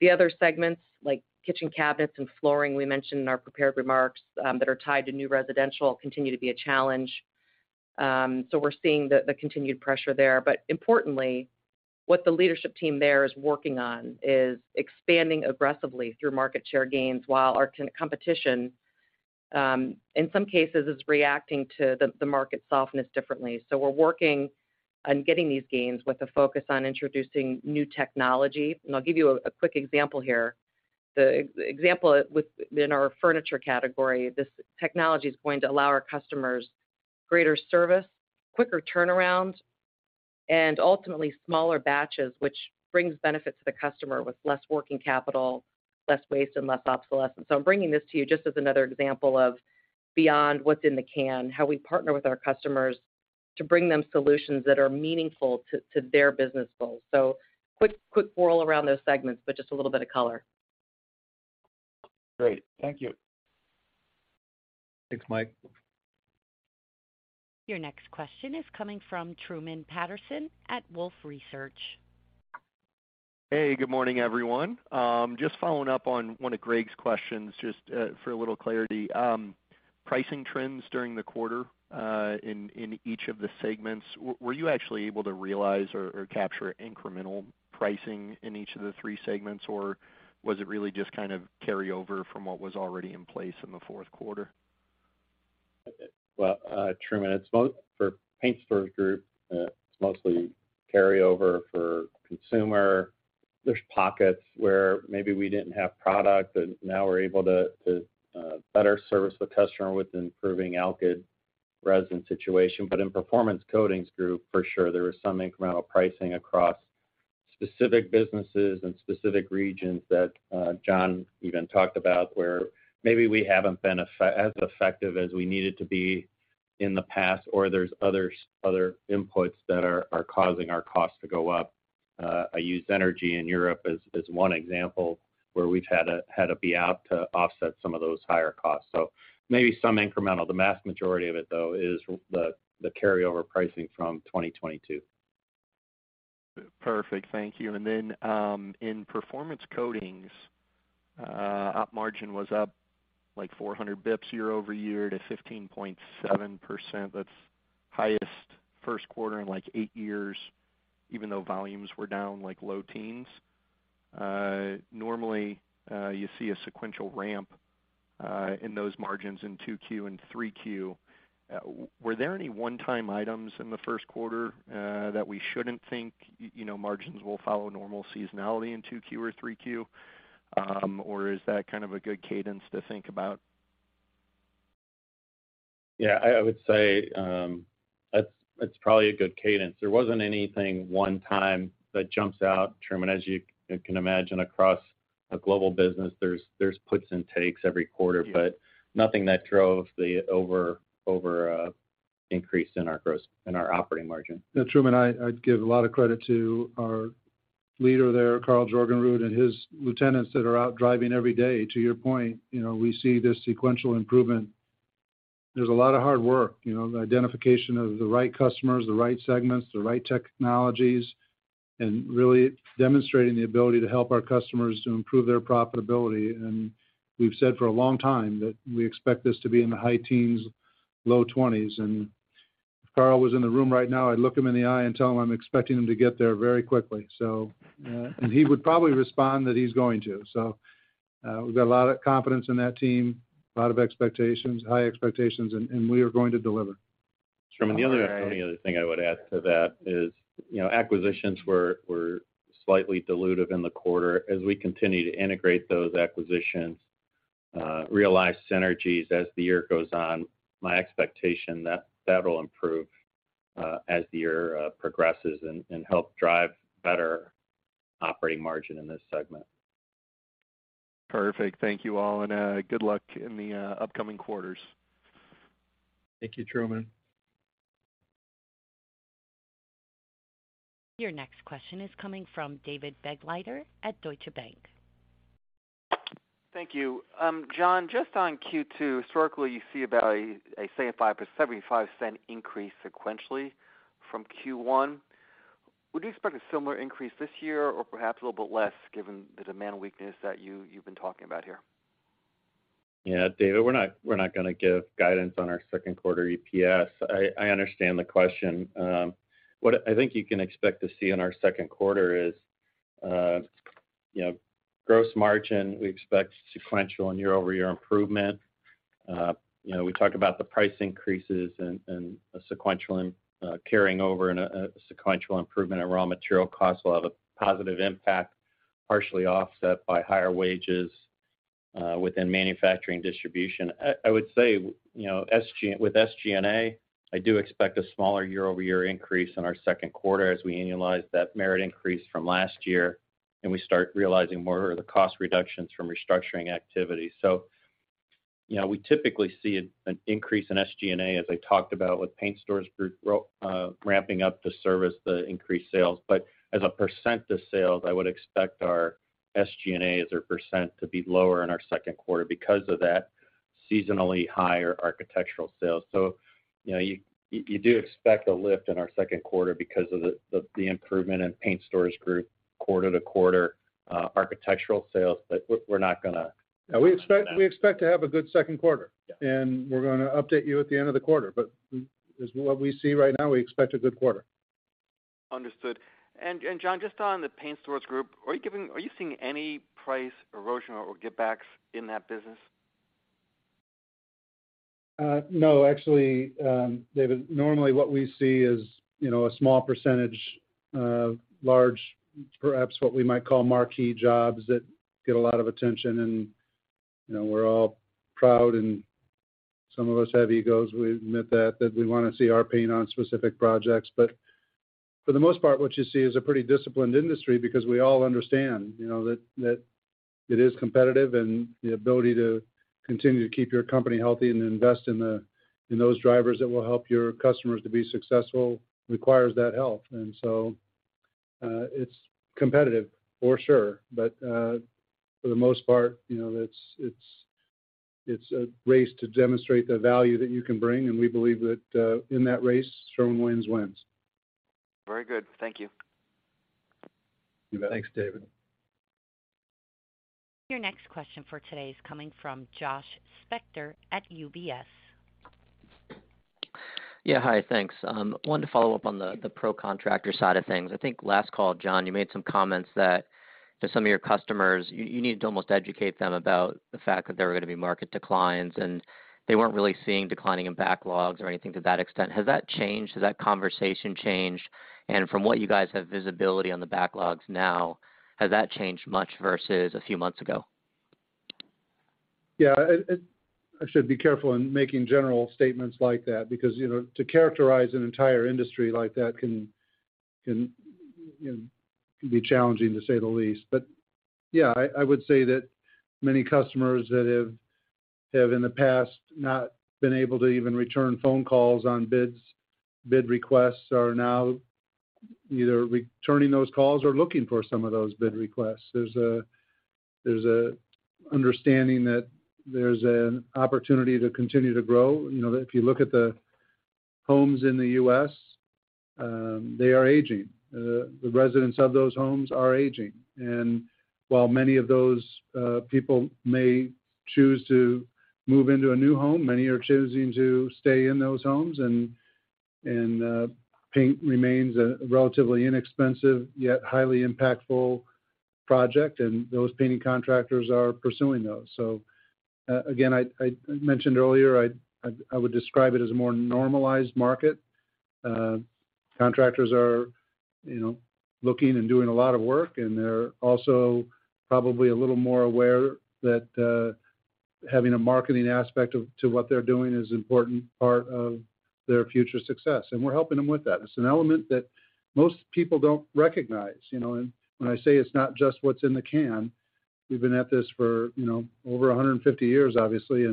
The other segments like kitchen cabinets and flooring we mentioned in our prepared remarks, that are tied to new residential continue to be a challenge. We're seeing continued pressure there. Importantly, what the leadership team there is working on is expanding aggressively through market share gains while our competition, in some cases is reacting to market softness differently. We're working on getting these gains with a focus on introducing new technology. I'll give you a quick example here. The example with in our furniture category, this technology is going to allow our customers greater service, quicker turnaround, and ultimately smaller batches, which brings benefit to the customer with less working capital, less waste, and less obsolescence. I'm bringing this to you just as another example of beyond what's in the can, how we partner with our customers to bring them solutions that are meaningful to their business goals. Quick whirl around those segments, but just a little bit of color. Great. Thank you. Thanks, Mike. Your next question is coming from Truman Patterson at Wolfe Research. Hey, good morning, everyone. Just following up on one of Greg's questions, just for a little clarity. Pricing trends during the quarter, in each of the segments, were you actually able to realize or capture incremental pricing in each of the three segments, or was it really just kind of carry over from what was already in place in the fourth quarter? Truman, it's for Paint Stores Group, it's mostly carryover for consumer. There's pockets where maybe we didn't have product, and now we're able to better service the customer with improving alkyd resin situation. In Performance Coatings Group, for sure there was some incremental pricing across specific businesses and specific regions that John even talked about, where maybe we haven't been as effective as we needed to be in the past or there's other inputs that are causing our costs to go up. I use energy in Europe as one example where we've had to be out to offset some of those higher costs. So maybe some incremental. The vast majority of it though is the carryover pricing from 2022. Perfect. Thank you. In Performance Coatings, op margin was up like 400 basis points year-over-year to 15.7%. That's highest first quarter in like eight years, even though volumes were down like low teens. Normally, you see a sequential ramp in those margins in 2Q and 3Q. Were there any one-time items in the first quarter that we shouldn't think, you know, margins will follow normal seasonality in 2Q or 3Q? Or is that kind of a good cadence to think about? I would say that's, it's probably a good cadence. There wasn't anything one time that jumps out, Truman, as you can imagine across a global business, there's puts and takes every quarter, but nothing that drove the over increase in our operating margin. Yeah, Truman, I'd give a lot of credit to our leader there, Karl Jorgenrud, and his lieutenants that are out driving every day. To your point, you know, we see this sequential improvement. There's a lot of hard work, you know, the identification of the right customers, the right segments, the right technologies, and really demonstrating the ability to help our customers to improve their profitability. We've said for a long time that we expect this to be in the high teens, low twenties. If Karl was in the room right now, I'd look him in the eye and tell him I'm expecting him to get there very quickly. He would probably respond that he's going to. We've got a lot of confidence in that team, a lot of expectations, high expectations, and we are going to deliver. Truman, the other, the only other thing I would add to that is, you know, acquisitions were slightly dilutive in the quarter. As we continue to integrate those acquisitions, realize synergies as the year goes on, my expectation that that'll improve as the year progresses and help drive better operating margin in this segment. Perfect. Thank you all. Good luck in the upcoming quarters. Thank you, Truman. Your next question is coming from David Begleiter at Deutsche Bank. Thank you. John, just on Q2, historically, you see about a 5%, $0.75 increase sequentially from Q1. Would you expect a similar increase this year or perhaps a little bit less given the demand weakness that you've been talking about here? Yeah, David, we're not gonna give guidance on our second quarter EPS. I understand the question. What I think you can expect to see in our second quarter is, you know, gross margin, we expect sequential and year-over-year improvement. You know, we talked about the price increases and a sequential and carrying over and a sequential improvement in raw material costs will have a positive impact, partially offset by higher wages within manufacturing distribution. I would say, you know, with SG&A, I do expect a smaller year-over-year increase in our second quarter as we annualize that merit increase from last year, and we start realizing more of the cost reductions from restructuring activity. you know, we typically see an increase in SG&A, as I talked about with Paint Stores Group, ramping up to service the increased sales. as a percent of sales, I would expect our SG&A as a % to be lower in our second quarter because of that seasonally higher architectural sales. you know, you do expect a lift in our second quarter because of the improvement in Paint Stores Group quarter-to-quarter architectural sales, but we're not gonna- Yeah, we expect to have a good second quarter. Yeah. We're gonna update you at the end of the quarter. As what we see right now, we expect a good quarter. Understood. John, just on the Paint Stores Group, are you seeing any price erosion or give backs in that business? No. Actually, David, normally what we see is, you know, a small percentage, large, perhaps what we might call marquee jobs that get a lot of attention. You know, we're all proud, and some of us have egos, we admit that we wanna see our paint on specific projects. For the most part, what you see is a pretty disciplined industry because we all understand, you know, that it is competitive and the ability to continue to keep your company healthy and invest in the, in those drivers that will help your customers to be successful requires that health. It's competitive for sure. For the most part, you know, it's a race to demonstrate the value that you can bring, and we believe that, in that race, strong wins. Very good. Thank you. You bet. Thanks, David. Your next question for today is coming from Joshua Spector at UBS. Yeah. Hi. Thanks. wanted to follow up on the pro contractor side of things. I think last call, John, you needed to almost educate them about the fact that there were gonna be market declines, and they weren't really seeing declining in backlogs or anything to that extent. Has that changed? Has that conversation changed? From what you guys have visibility on the backlogs now, has that changed much versus a few months ago? I should be careful in making general statements like that because, you know, to characterize an entire industry like that can be challenging, to say the least. I would say that many customers that have in the past not been able to even return phone calls on bids, bid requests are now either returning those calls or looking for some of those bid requests. There's an understanding that there's an opportunity to continue to grow. You know, if you look at the homes in the U.S., they are aging. The residents of those homes are aging. While many of those people may choose to move into a new home, many are choosing to stay in those homes, and paint remains a relatively inexpensive yet highly impactful project, and those painting contractors are pursuing those. Again, I mentioned earlier, I would describe it as a more normalized market. Contractors are, you know, looking and doing a lot of work, and they're also probably a little more aware that having a marketing aspect of, to what they're doing is important part of their future success, and we're helping them with that. It's an element that most people don't recognize, you know? When I say it's not just what's in the can, we've been at this for, you know, over 150 years, obviously.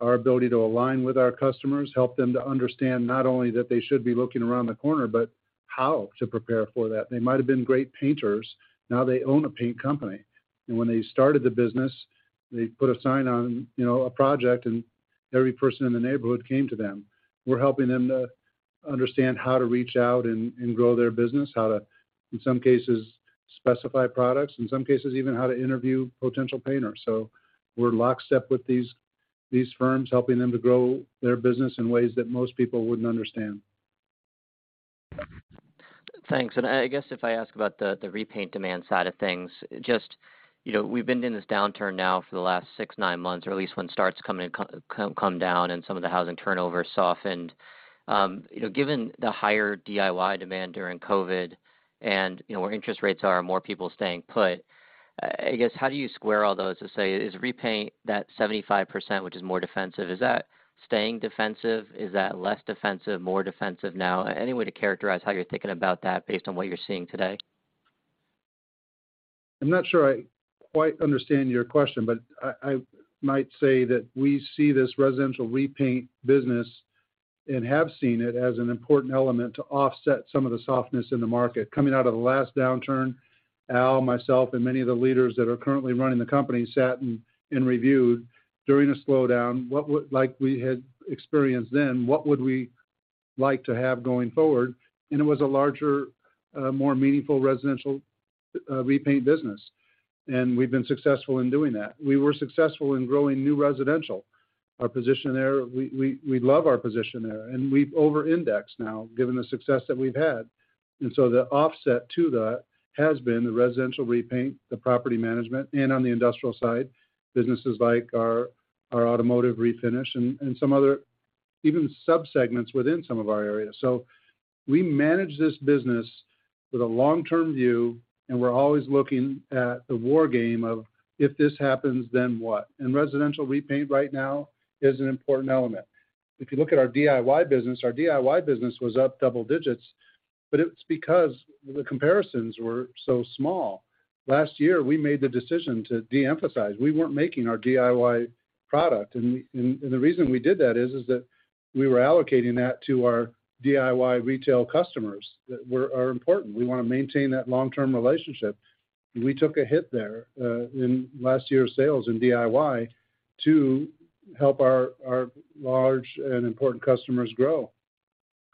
Our ability to align with our customers, help them to understand not only that they should be looking around the corner, but how to prepare for that. They might have been great painters, now they own a paint company. When they started the business, they put a sign on, you know, a project and every person in the neighborhood came to them. We're helping them to understand how to reach out and grow their business, how to, in some cases, specify products, in some cases even how to interview potential painters. We're lockstep with these firms, helping them to grow their business in ways that most people wouldn't understand. Thanks. I guess if I ask about the repaint demand side of things, just, you know, we've been in this downturn now for the last six, nine months, or at least when starts come down and some of the housing turnover softened. You know, given the higher DIY demand during COVID and, you know, where interest rates are, more people staying put, I guess, how do you square all those to say, is repaint that 75%, which is more defensive, is that staying defensive? Is that less defensive, more defensive now? Any way to characterize how you're thinking about that based on what you're seeing today? I'm not sure I quite understand your question, but I might say that we see this residential repaint business, and have seen it as an important element to offset some of the softness in the market. Coming out of the last downturn, Al, myself, and many of the leaders that are currently running the company sat and reviewed during a slowdown, like we had experienced then, what would we like to have going forward? It was a larger, more meaningful residential repaint business. We've been successful in doing that. We were successful in growing new residential. Our position there, we love our position there and we've over-indexed now given the success that we've had. The offset to that has been the residential repaint, the property management, and on the industrial side, businesses like our automotive refinish and some other even subsegments within some of our areas. We manage this business with a long-term view, and we're always looking at the war game of, if this happens, then what? Residential repaint right now is an important element. If you look at our DIY business, our DIY business was up double digits, but it's because the comparisons were so small. Last year, we made the decision to de-emphasize. We weren't making our DIY product. And the reason we did that is that we were allocating that to our DIY retail customers that are important. We wanna maintain that long-term relationship. We took a hit there in last year's sales in DIY to help our large and important customers grow.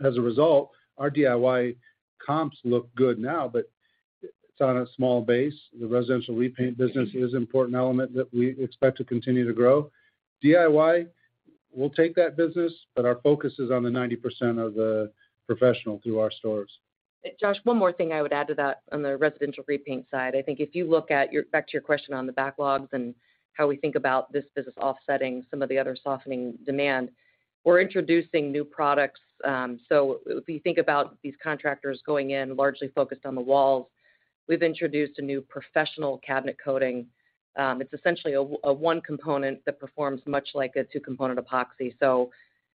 Our DIY comps look good now, but it's on a small base. The residential repaint business is an important element that we expect to continue to grow. DIY, we'll take that business, but our focus is on the 90% of the professional through our stores. Josh, one more thing I would add to that on the residential repaint side. I think if you look at back to your question on the backlogs and how we think about this business offsetting some of the other softening demand, we're introducing new products. If you think about these contractors going in largely focused on the walls, we've introduced a new professional cabinet coating. It's essentially a one component that performs much like a two-component epoxy.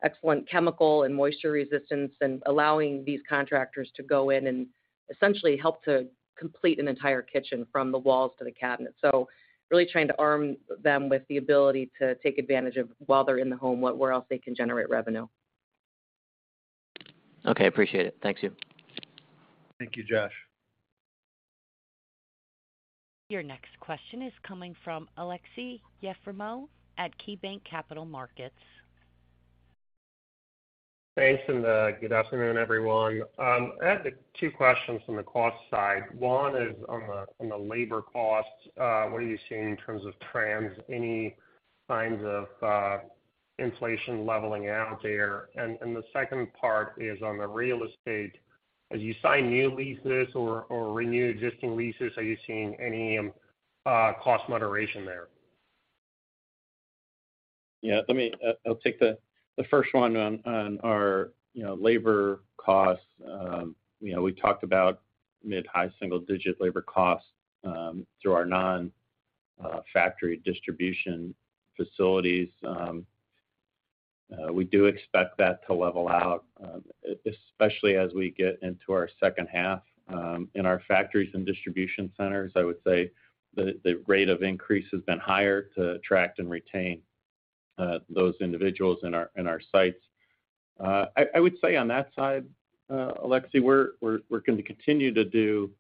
Excellent chemical and moisture resistance and allowing these contractors to go in and essentially help to complete an entire kitchen from the walls to the cabinet. Really trying to arm them with the ability to take advantage of while they're in the home, where else they can generate revenue. Okay, appreciate it. Thank you. Thank you, Josh. Your next question is coming from Aleksey Yefremov at KeyBanc Capital Markets. Thanks and good afternoon, everyone. I have two questions from the cost side. One is on the labor costs. What are you seeing in terms of trends, any signs of inflation leveling out there? The second part is on the real estate. As you sign new leases or renew existing leases, are you seeing any cost moderation there? Let me, I'll take the first one on our, you know, labor costs. You know, we talked about mid-high single digit labor costs through our non-factory distribution facilities, We do expect that to level out, especially as we get into our second half. In our factories and distribution centers, I would say the rate of increase has been higher to attract and retain those individuals in our sites. I would say on that side, Aleksey, we're gonna continue to do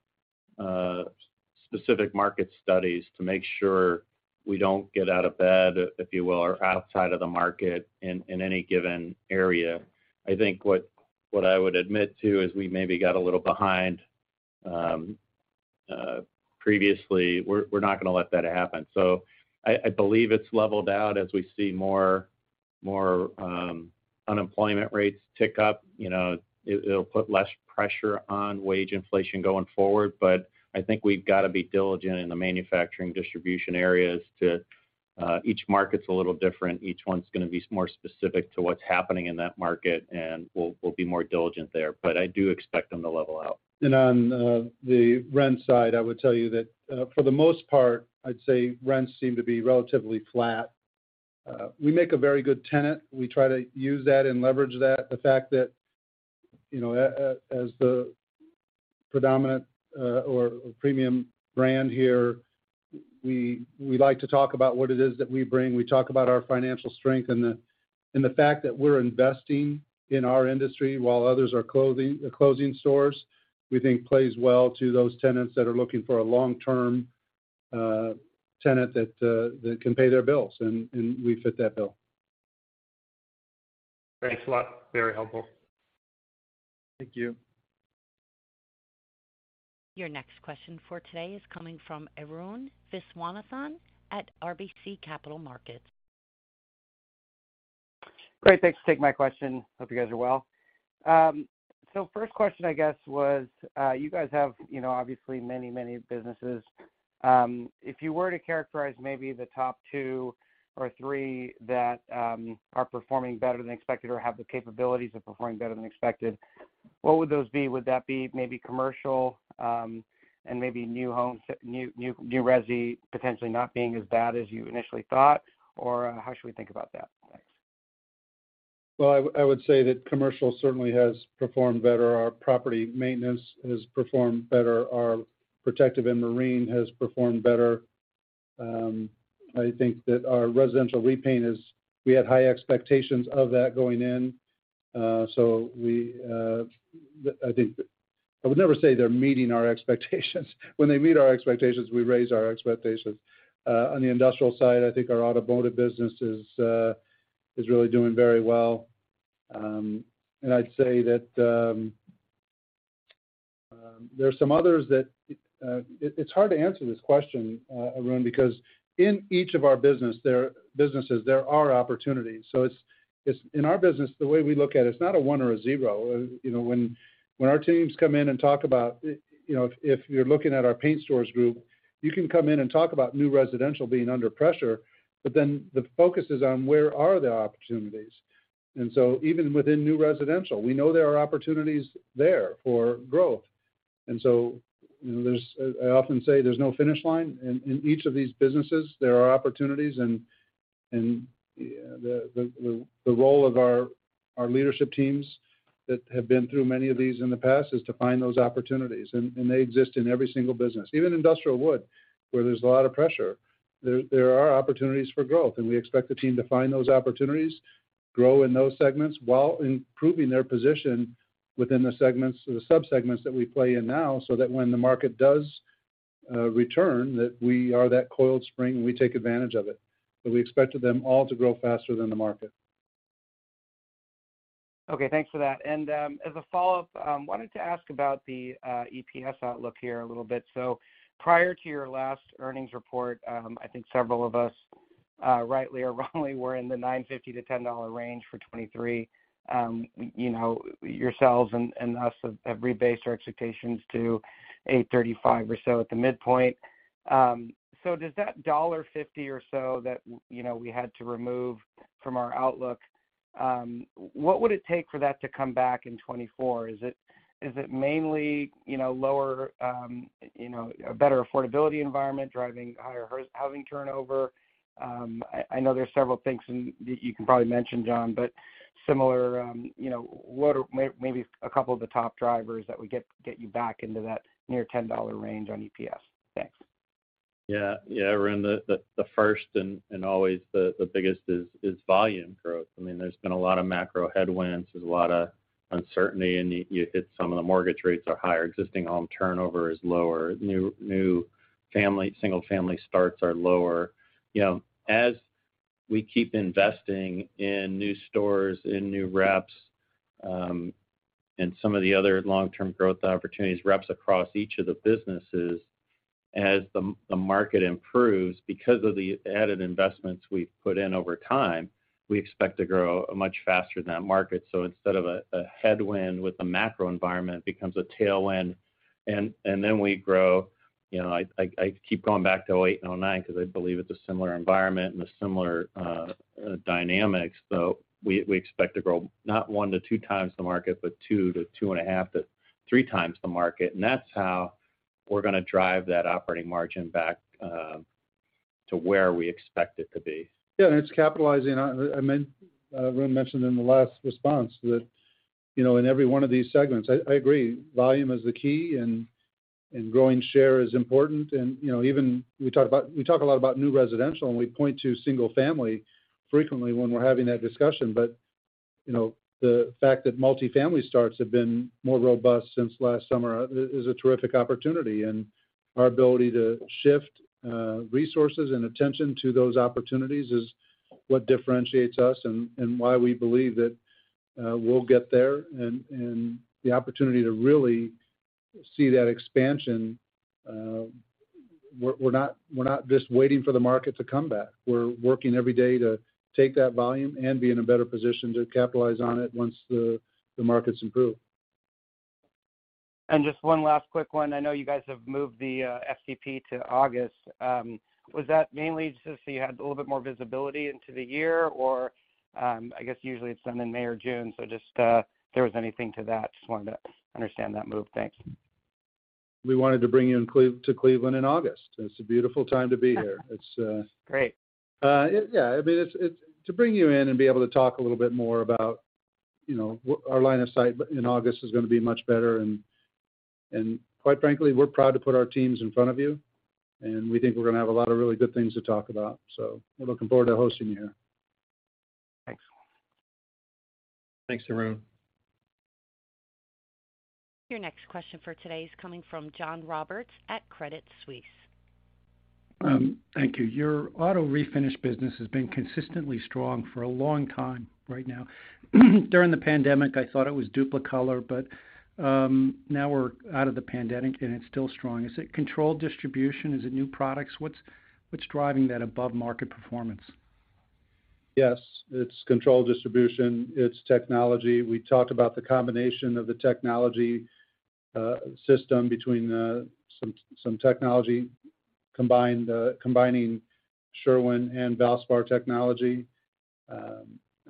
specific market studies to make sure we don't get out of bed, if you will, or outside of the market in any given area. I think what I would admit to is we maybe got a little behind previously. We're not gonna let that happen. I believe it's leveled out as we see more unemployment rates tick up. You know, it'll put less pressure on wage inflation going forward. I think we've gotta be diligent in the manufacturing distribution areas to, each market's a little different. Each one's gonna be more specific to what's happening in that market, and we'll be more diligent there. I do expect them to level out. On the rent side, I would tell you that, for the most part, I'd say rents seem to be relatively flat. We make a very good tenant. We try to use that and leverage that. The fact that, you know, as the predominant or premium brand here, we like to talk about what it is that we bring. We talk about our financial strength and the fact that we're investing in our industry while others are closing stores, we think plays well to those tenants that are looking for a long-term tenant that can pay their bills, and we fit that bill. Thanks a lot. Very helpful. Thank you. Your next question for today is coming from Arun Viswanathan at RBC Capital Markets. Great. Thanks for taking my question. Hope you guys are well. First question, I guess, was, you guys have, you know, obviously many, many businesses. If you were to characterize maybe the top two or three that are performing better than expected or have the capabilities of performing better than expected, what would those be? Would that be maybe commercial, and maybe new home new resi potentially not being as bad as you initially thought? How should we think about that? Thanks. I would say that commercial certainly has performed better. Our property maintenance has performed better. Our protective and marine has performed better. I think that our residential repaint. We had high expectations of that going in. We, I think I would never say they're meeting our expectations. When they meet our expectations, we raise our expectations. On the industrial side, I think our automotive business is really doing very well. I'd say that there are some others that it's hard to answer this question, Arun, because in each of our businesses, there are opportunities. It's, In our business, the way we look at it's not a one or a 0. You know, when our teams come in and talk about, you know, if you're looking at our Paint Stores Group, you can come in and talk about new residential being under pressure. The focus is on where are the opportunities. Even within new residential, we know there are opportunities there for growth. You know, there's no finish line. In each of these businesses, there are opportunities. You know, the role of our leadership teams that have been through many of these in the past is to find those opportunities. They exist in every single business. Even industrial wood, where there's a lot of pressure, there are opportunities for growth, and we expect the team to find those opportunities, grow in those segments while improving their position within the segments or the sub-segments that we play in now, so that when the market does return, that we are that coiled spring, and we take advantage of it. We expected them all to grow faster than the market. Okay. Thanks for that. As a follow-up, wanted to ask about the EPS outlook here a little bit. Prior to your last earnings report, I think several of us, rightly or wrongly, were in the $9.50-$10 range for 2023. You know, yourselves and us have rebased our expectations to $8.35 or so at the midpoint. Does that $1.50 or so that, you know, we had to remove from our outlook, what would it take for that to come back in 2024? Is it mainly, you know, lower, you know, a better affordability environment driving higher having turnover? I know there's several things and that you can probably mention, John, but similar, you know, what are maybe a couple of the top drivers that would get you back into that near $10 range on EPS? Thanks. Yeah. Yeah. Arun, the first and always the biggest is volume growth. I mean, there's been a lot of macro headwinds. There's a lot of uncertainty, and you hit some of the mortgage rates are higher. Existing home turnover is lower. New family, single-family starts are lower. You know, as we keep investing in new stores, in new reps, and some of the other long-term growth opportunities, reps across each of the businesses, as the market improves, because of the added investments we've put in over time, we expect to grow a much faster than that market. So instead of a headwind with the macro environment, it becomes a tailwind. We grow. You know, I keep going back to 2008 and 2009 because I believe it's a similar environment and a similar dynamics. We expect to grow not 1x to 2x the market, but 2x to 2.5x to 3x the market. That's how We're gonna drive that operating margin back to where we expect it to be. Yeah, it's capitalizing on I mean, Arun mentioned in the last response that, you know, in every one of these segments, I agree, volume is the key and growing share is important. You know, even we talk a lot about new residential, and we point to single-family frequently when we're having that discussion. You know, the fact that multifamily starts have been more robust since last summer is a terrific opportunity. Our ability to shift resources and attention to those opportunities is what differentiates us and why we believe that we'll get there and the opportunity to really see that expansion, we're not just waiting for the market to come back. We're working every day to take that volume and be in a better position to capitalize on it once the markets improve. Just one last quick one. I know you guys have moved the FCP to August. Was that mainly just so you had a little bit more visibility into the year, or I guess usually it's done in May or June, so just if there was anything to that, just wanted to understand that move? Thanks. We wanted to bring you to Cleveland in August. It's a beautiful time to be here. Great. It's, yeah. I mean, it's to bring you in and be able to talk a little bit more about, you know, our line of sight in August is gonna be much better. Quite frankly, we're proud to put our teams in front of you, and we think we're gonna have a lot of really good things to talk about. We're looking forward to hosting you here. Thanks. Thanks, Arun. Your next question for today is coming from John Roberts at Credit Suisse. Thank you. Your auto refinish business has been consistently strong for a long time right now. During the pandemic, I thought it was Dupli-Color, but now we're out of the pandemic, and it's still strong. Is it controlled distribution? Is it new products? What's driving that above-market performance? Yes. It's controlled distribution. It's technology. We talked about the combination of the technology system between some technology combined combining Sherwin and Valspar technology.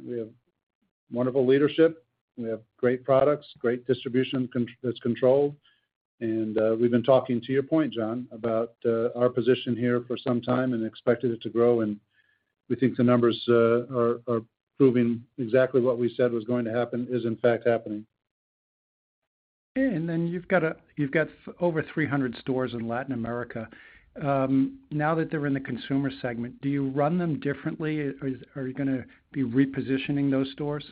We have wonderful leadership, and we have great products, great distribution that's controlled. We've been talking to your point, John, about our position here for some time and expected it to grow, and we think the numbers are proving exactly what we said was going to happen is in fact happening. Okay. Then you've got you've got over 300 stores in Latin America. Now that they're in the consumer segment, do you run them differently? Are you gonna be repositioning those stores?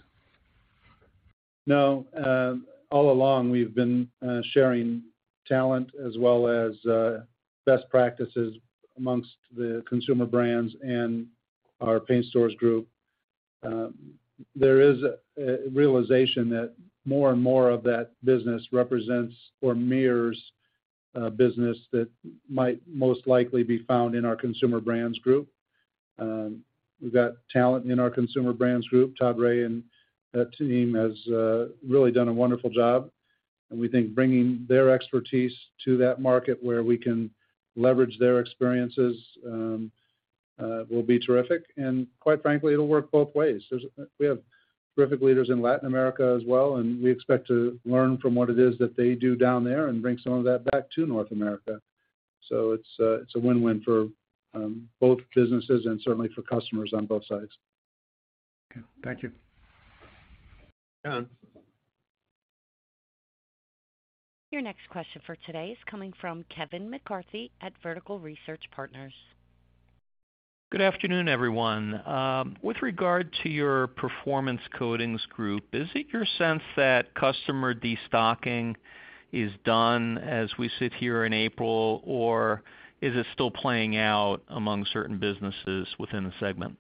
No. All along we've been sharing talent as well as best practices amongst the Consumer Brands Group and our Paint Stores Group. There is a realization that more and more of that business represents or mirrors a business that might most likely be found in our Consumer Brands Group. We've got talent in our Consumer Brands Group. Todd Ray and that team has really done a wonderful job, and we think bringing their expertise to that market where we can leverage their experiences will be terrific. Quite frankly, it'll work both ways. We have terrific leaders in Latin America as well, and we expect to learn from what it is that they do down there and bring some of that back to North America. It's a win-win for both businesses and certainly for customers on both sides. Okay. Thank you. John. Your next question for today is coming from Kevin McCarthy at Vertical Research Partners. Good afternoon, everyone. With regard to your Performance Coatings Group, is it your sense that customer destocking is done as we sit here in April, or is it still playing out among certain businesses within the segment?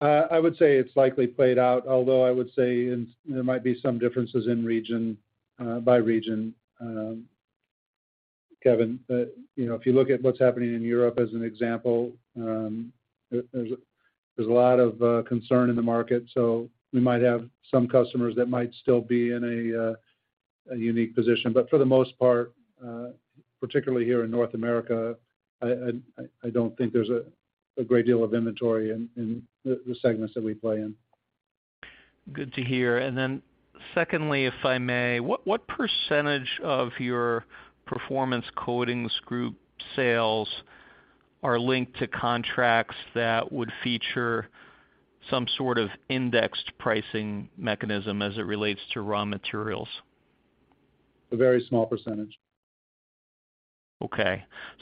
I would say it's likely played out, although I would say there might be some differences in region by region, Kevin. You know, if you look at what's happening in Europe as an example, there's a lot of concern in the market. We might have some customers that might still be in a unique position. For the most part, particularly here in North America, I don't think there's a great deal of inventory in the segments that we play in. Good to hear. Secondly, if I may, what percentage of your Performance Coatings Group sales are linked to contracts that would feature some sort of indexed pricing mechanism as it relates to raw materials? A very small percentage.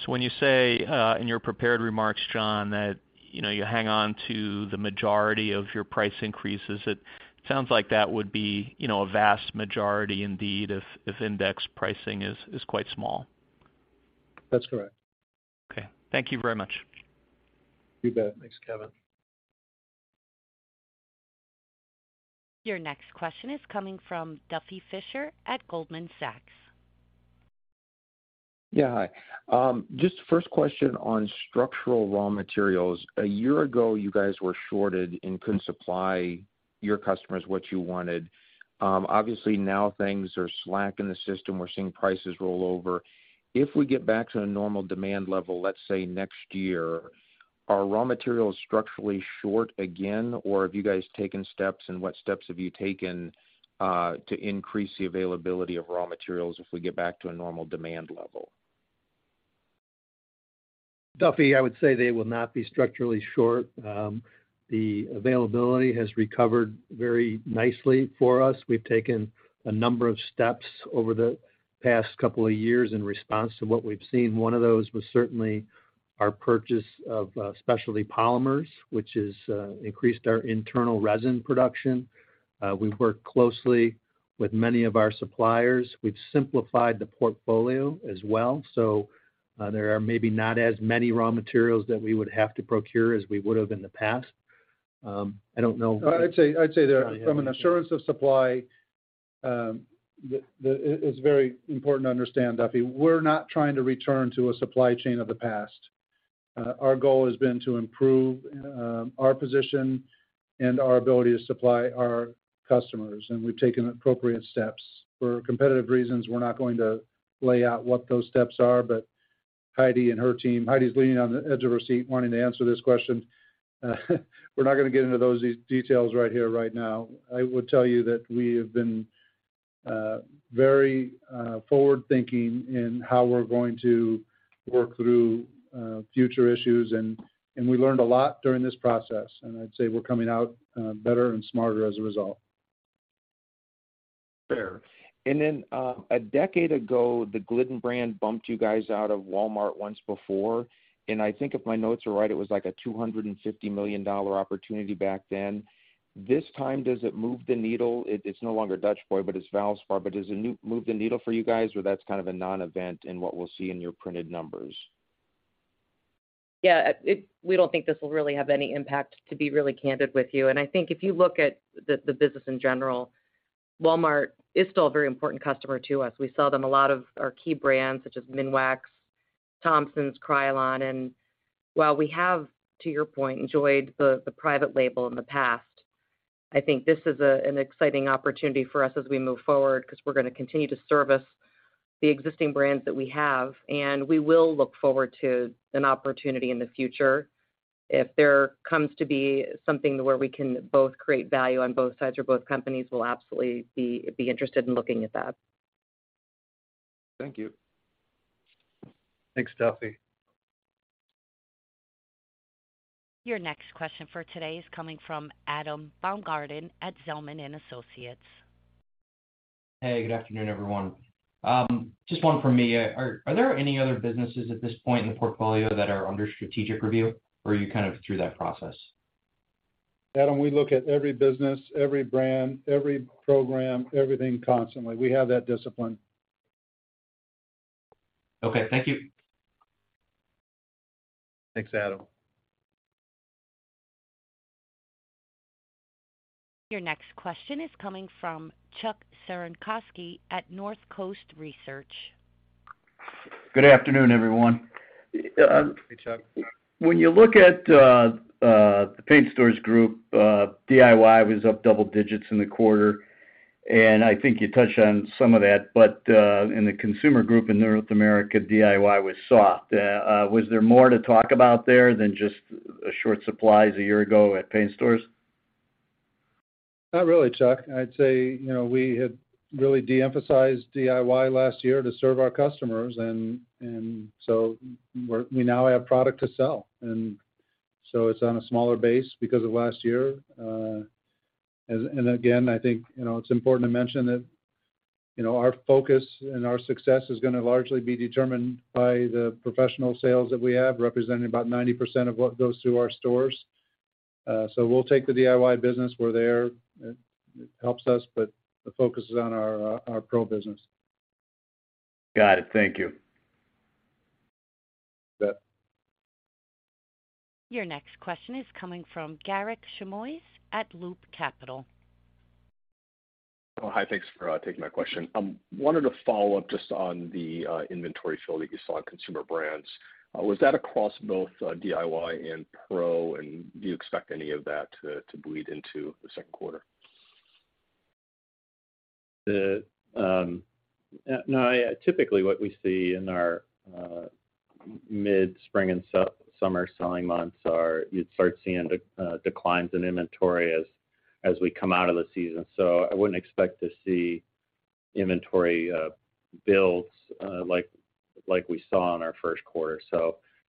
When you say, in your prepared remarks, John, that, you know, you hang on to the majority of your price increases, it sounds like that would be, you know, a vast majority indeed, if index pricing is quite small. That's correct. Okay. Thank you very much. You bet. Thanks, Kevin. Your next question is coming from Duffy Fischer at Goldman Sachs. Yeah. Hi. Just first question on structural raw materials. A year ago, you guys were shorted and couldn't supply your customers what you wanted. Obviously now things are slack in the system. We're seeing prices roll over. If we get back to a normal demand level, let's say next year, are raw materials structurally short again, or have you guys taken steps, and what steps have you taken, to increase the availability of raw materials if we get back to a normal demand level? Duffy, I would say they will not be structurally short. The availability has recovered very nicely for us. We've taken a number of steps over the past couple of years in response to what we've seen. One of those was certainly our purchase of Specialty Polymers, which has increased our internal resin production. We've worked closely with many of our suppliers. We've simplified the portfolio as well. There are maybe not as many raw materials that we would have to procure as we would have in the past. I don't know- I'd say that from an assurance of supply, it's very important to understand, Duffy, we're not trying to return to a supply chain of the past. Our goal has been to improve our position and our ability to supply our customers, and we've taken appropriate steps. For competitive reasons, we're not going to lay out what those steps are, but Heidi and her team. Heidi's leaning on the edge of her seat wanting to answer this question. We're not gonna get into those details right here right now. I would tell you that we have been very forward-thinking in how we're going to work through future issues, and we learned a lot during this process. I'd say we're coming out better and smarter as a result. Fair. A decade ago, the Glidden brand bumped you guys out of Walmart once before, and I think if my notes are right, it was like a $250 million opportunity back then. This time, does it move the needle? It's no longer Dutch Boy, but it's Valspar. Does it move the needle for you guys, or that's kind of a non-event in what we'll see in your printed numbers? Yeah. We don't think this will really have any impact, to be really candid with you. I think if you look at the business in general, Walmart is still a very important customer to us. We sell them a lot of our key brands such as Minwax, Thompson's, Krylon. While we have, to your point, enjoyed the private label in the past, I think this is a, an exciting opportunity for us as we move forward 'cause we're gonna continue to service the existing brands that we have, and we will look forward to an opportunity in the future. If there comes to be something where we can both create value on both sides or both companies, we'll absolutely be interested in looking at that. Thank you. Thanks, Duffy. Your next question for today is coming from Adam Baumgarten at Zelman & Associates. Hey, good afternoon, everyone. Just one for me. Are there any other businesses at this point in the portfolio that are under strategic review, or are you kind of through that process? Adam, we look at every business, every brand, every program, everything constantly. We have that discipline. Okay. Thank you. Thanks, Adam. Your next question is coming from Chuck Cerankosky at Northcoast Research. Good afternoon, everyone. Hey, Chuck. When you look at the Paint Stores Group, DIY was up double digits in the quarter, and I think you touched on some of that. In the Consumer Brands Group in North America, DIY was soft. Was there more to talk about there than just short supplies a year ago at paint stores? Not really, Chuck. I'd say, you know, we had really de-emphasized DIY last year to serve our customers and, so we now have product to sell. So it's on a smaller base because of last year. Again, I think, you know, it's important to mention that, you know, our focus and our success is gonna largely be determined by the professional sales that we have, representing about 90% of what goes through our stores. We'll take the DIY business. We're there. It helps us, but the focus is on our pro business. Got it. Thank you. You bet. Your next question is coming from Garik Shmois at Loop Capital Markets. Oh, hi. Thanks for taking my question. Wanted to follow up just on the inventory fill that you saw in Consumer Brands. Was that across both DIY and pro? Do you expect any of that to bleed into the second quarter? No. Typically, what we see in our mid-spring and summer selling months are you'd start seeing declines in inventory as we come out of the season. I wouldn't expect to see inventory builds like we saw in our first quarter.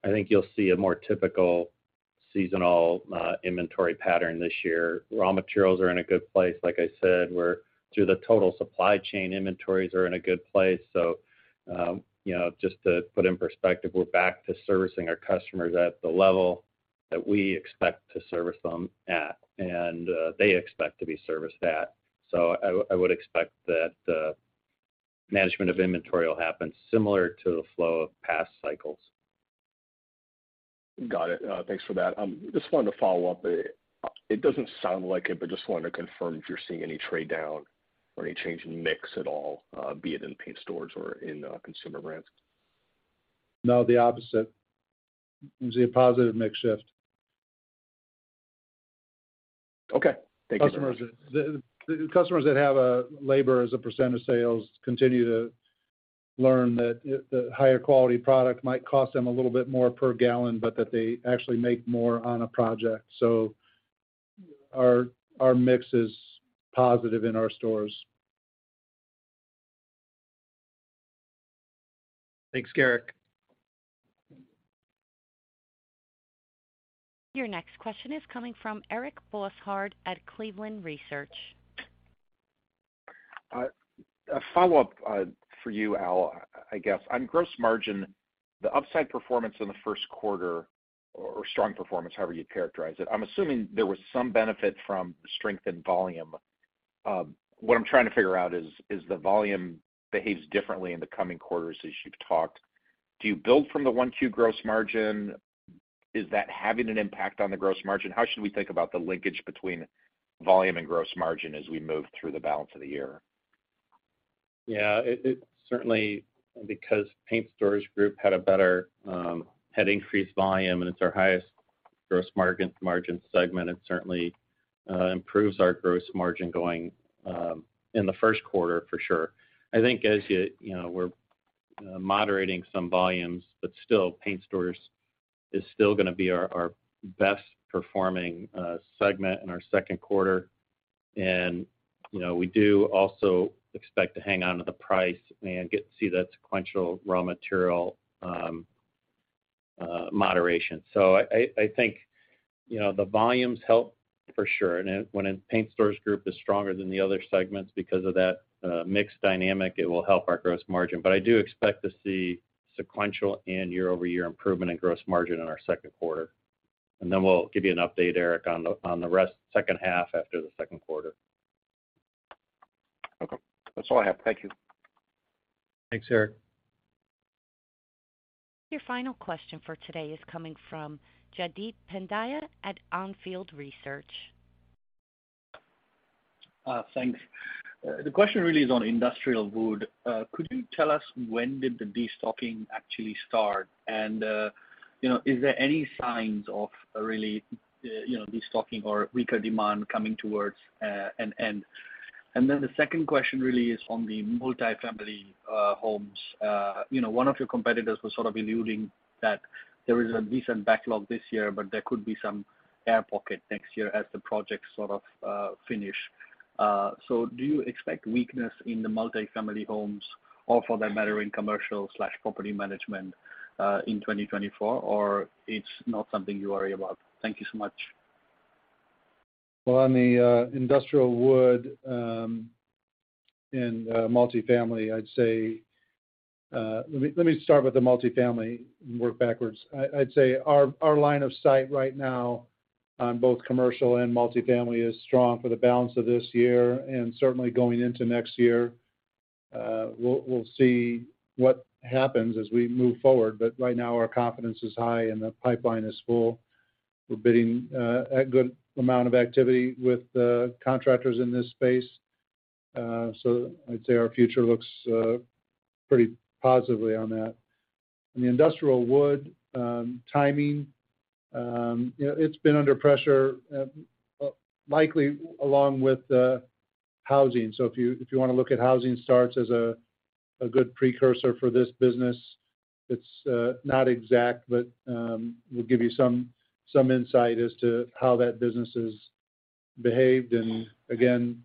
I think you'll see a more typical seasonal inventory pattern this year. Raw materials are in a good place, like I said. Through the total supply chain, inventories are in a good place. You know, just to put in perspective, we're back to servicing our customers at the level that we expect to service them at and they expect to be serviced at. I would expect that management of inventory will happen similar to the flow of past cycles. Got it. Thanks for that. Just wanted to follow up. It doesn't sound like it, but just wanted to confirm if you're seeing any trade down or any change in mix at all, be it in Paint Stores or in Consumer Brands. No, the opposite. We see a positive mix shift. Okay. Thank you so much. Customers that, the customers that have labor as a percentage of sales continue to learn that the higher quality product might cost them a little bit more per gallon, but that they actually make more on a project. Our mix is positive in our stores. Thanks, Garik. Your next question is coming from Eric Bosshard at Cleveland Research. A follow-up for you, Allen, I guess. On gross margin, the upside performance in the first quarter or strong performance, however you'd characterize it, I'm assuming there was some benefit from strength in volume. What I'm trying to figure out is the volume behaves differently in the coming quarters as you've talked. Do you build from the one-two gross margin? Is that having an impact on the gross margin? How should we think about the linkage between volume and gross margin as we move through the balance of the year? Yeah. It certainly because Paint Stores Group had a better, had increased volume, and it's our highest gross margin segment. It certainly improves our gross margin going in the first quarter for sure. I think as you know, we're moderating some volumes, but still, Paint Stores is still gonna be our best performing segment in our second quarter. We do also expect to hang on to the price and get to see that sequential raw material moderation. I think, you know, the volumes help for sure. When Paint Stores Group is stronger than the other segments because of that mix dynamic, it will help our gross margin. I do expect to see sequential and year-over-year improvement in gross margin in our second quarter. We'll give you an update, Eric, on the rest second half after the second quarter. Okay. That's all I have. Thank you. Thanks, Eric. Your final question for today is coming from Jaideep Pandya at On Field Research. Thanks. The question really is on industrial wood. Could you tell us when did the destocking actually start? Is there any signs of really, you know, destocking or weaker demand coming towards an end? The second question really is on the multifamily homes. You know, one of your competitors was sort of alluding that there is a decent backlog this year, but there could be some air pocket next year as the projects sort of finish. Do you expect weakness in the multifamily homes or for that matter in commercial/property management in 2024, or it's not something you worry about? Thank you so much. Well, on the industrial wood and multifamily, I'd say, let me start with the multifamily and work backwards. I'd say our line of sight right now on both commercial and multifamily is strong for the balance of this year and certainly going into next year. We'll see what happens as we move forward, right now our confidence is high and the pipeline is full. We're bidding a good amount of activity with the contractors in this space. I'd say our future looks pretty positively on that. On the industrial wood, timing, you know, it's been under pressure, likely along with the housing. If you, if you wanna look at housing starts as a good precursor for this business, it's not exact, but will give you some insight as to how that business is behaved. Again,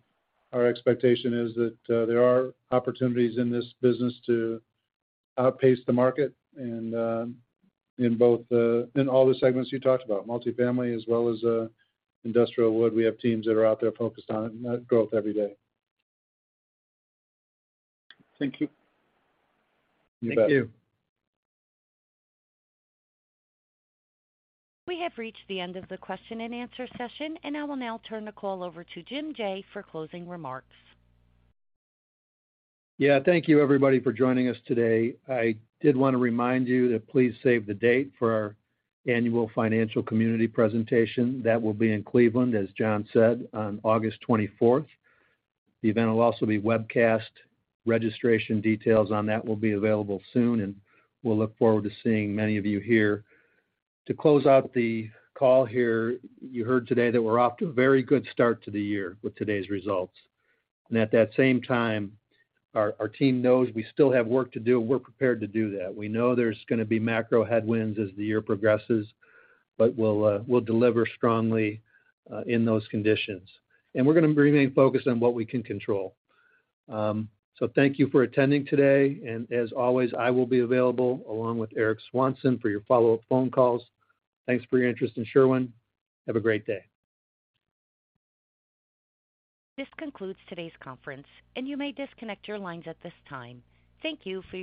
our expectation is that there are opportunities in this business to outpace the market and in all the segments you talked about, multifamily as well as industrial wood. We have teams that are out there focused on growth every day. Thank you. You bet. We have reached the end of the question and answer session, and I will now turn the call over to Jim Jaye for closing remarks. Yeah. Thank you everybody for joining us today. I did wanna remind you to please save the date for our annual financial community presentation. That will be in Cleveland, as John said, on August 24th. The event will also be webcast. Registration details on that will be available soon, we'll look forward to seeing many of you here. To close out the call here, you heard today that we're off to a very good start to the year with today's results. At that same time, our team knows we still have work to do, and we're prepared to do that. We know there's gonna be macro headwinds as the year progresses, we'll deliver strongly in those conditions. We're gonna remain focused on what we can control. Thank you for attending today. As always, I will be available along with Eric Swanson for your follow-up phone calls. Thanks for your interest in Sherwin. Have a great day. This concludes today's conference, and you may disconnect your lines at this time. Thank you for your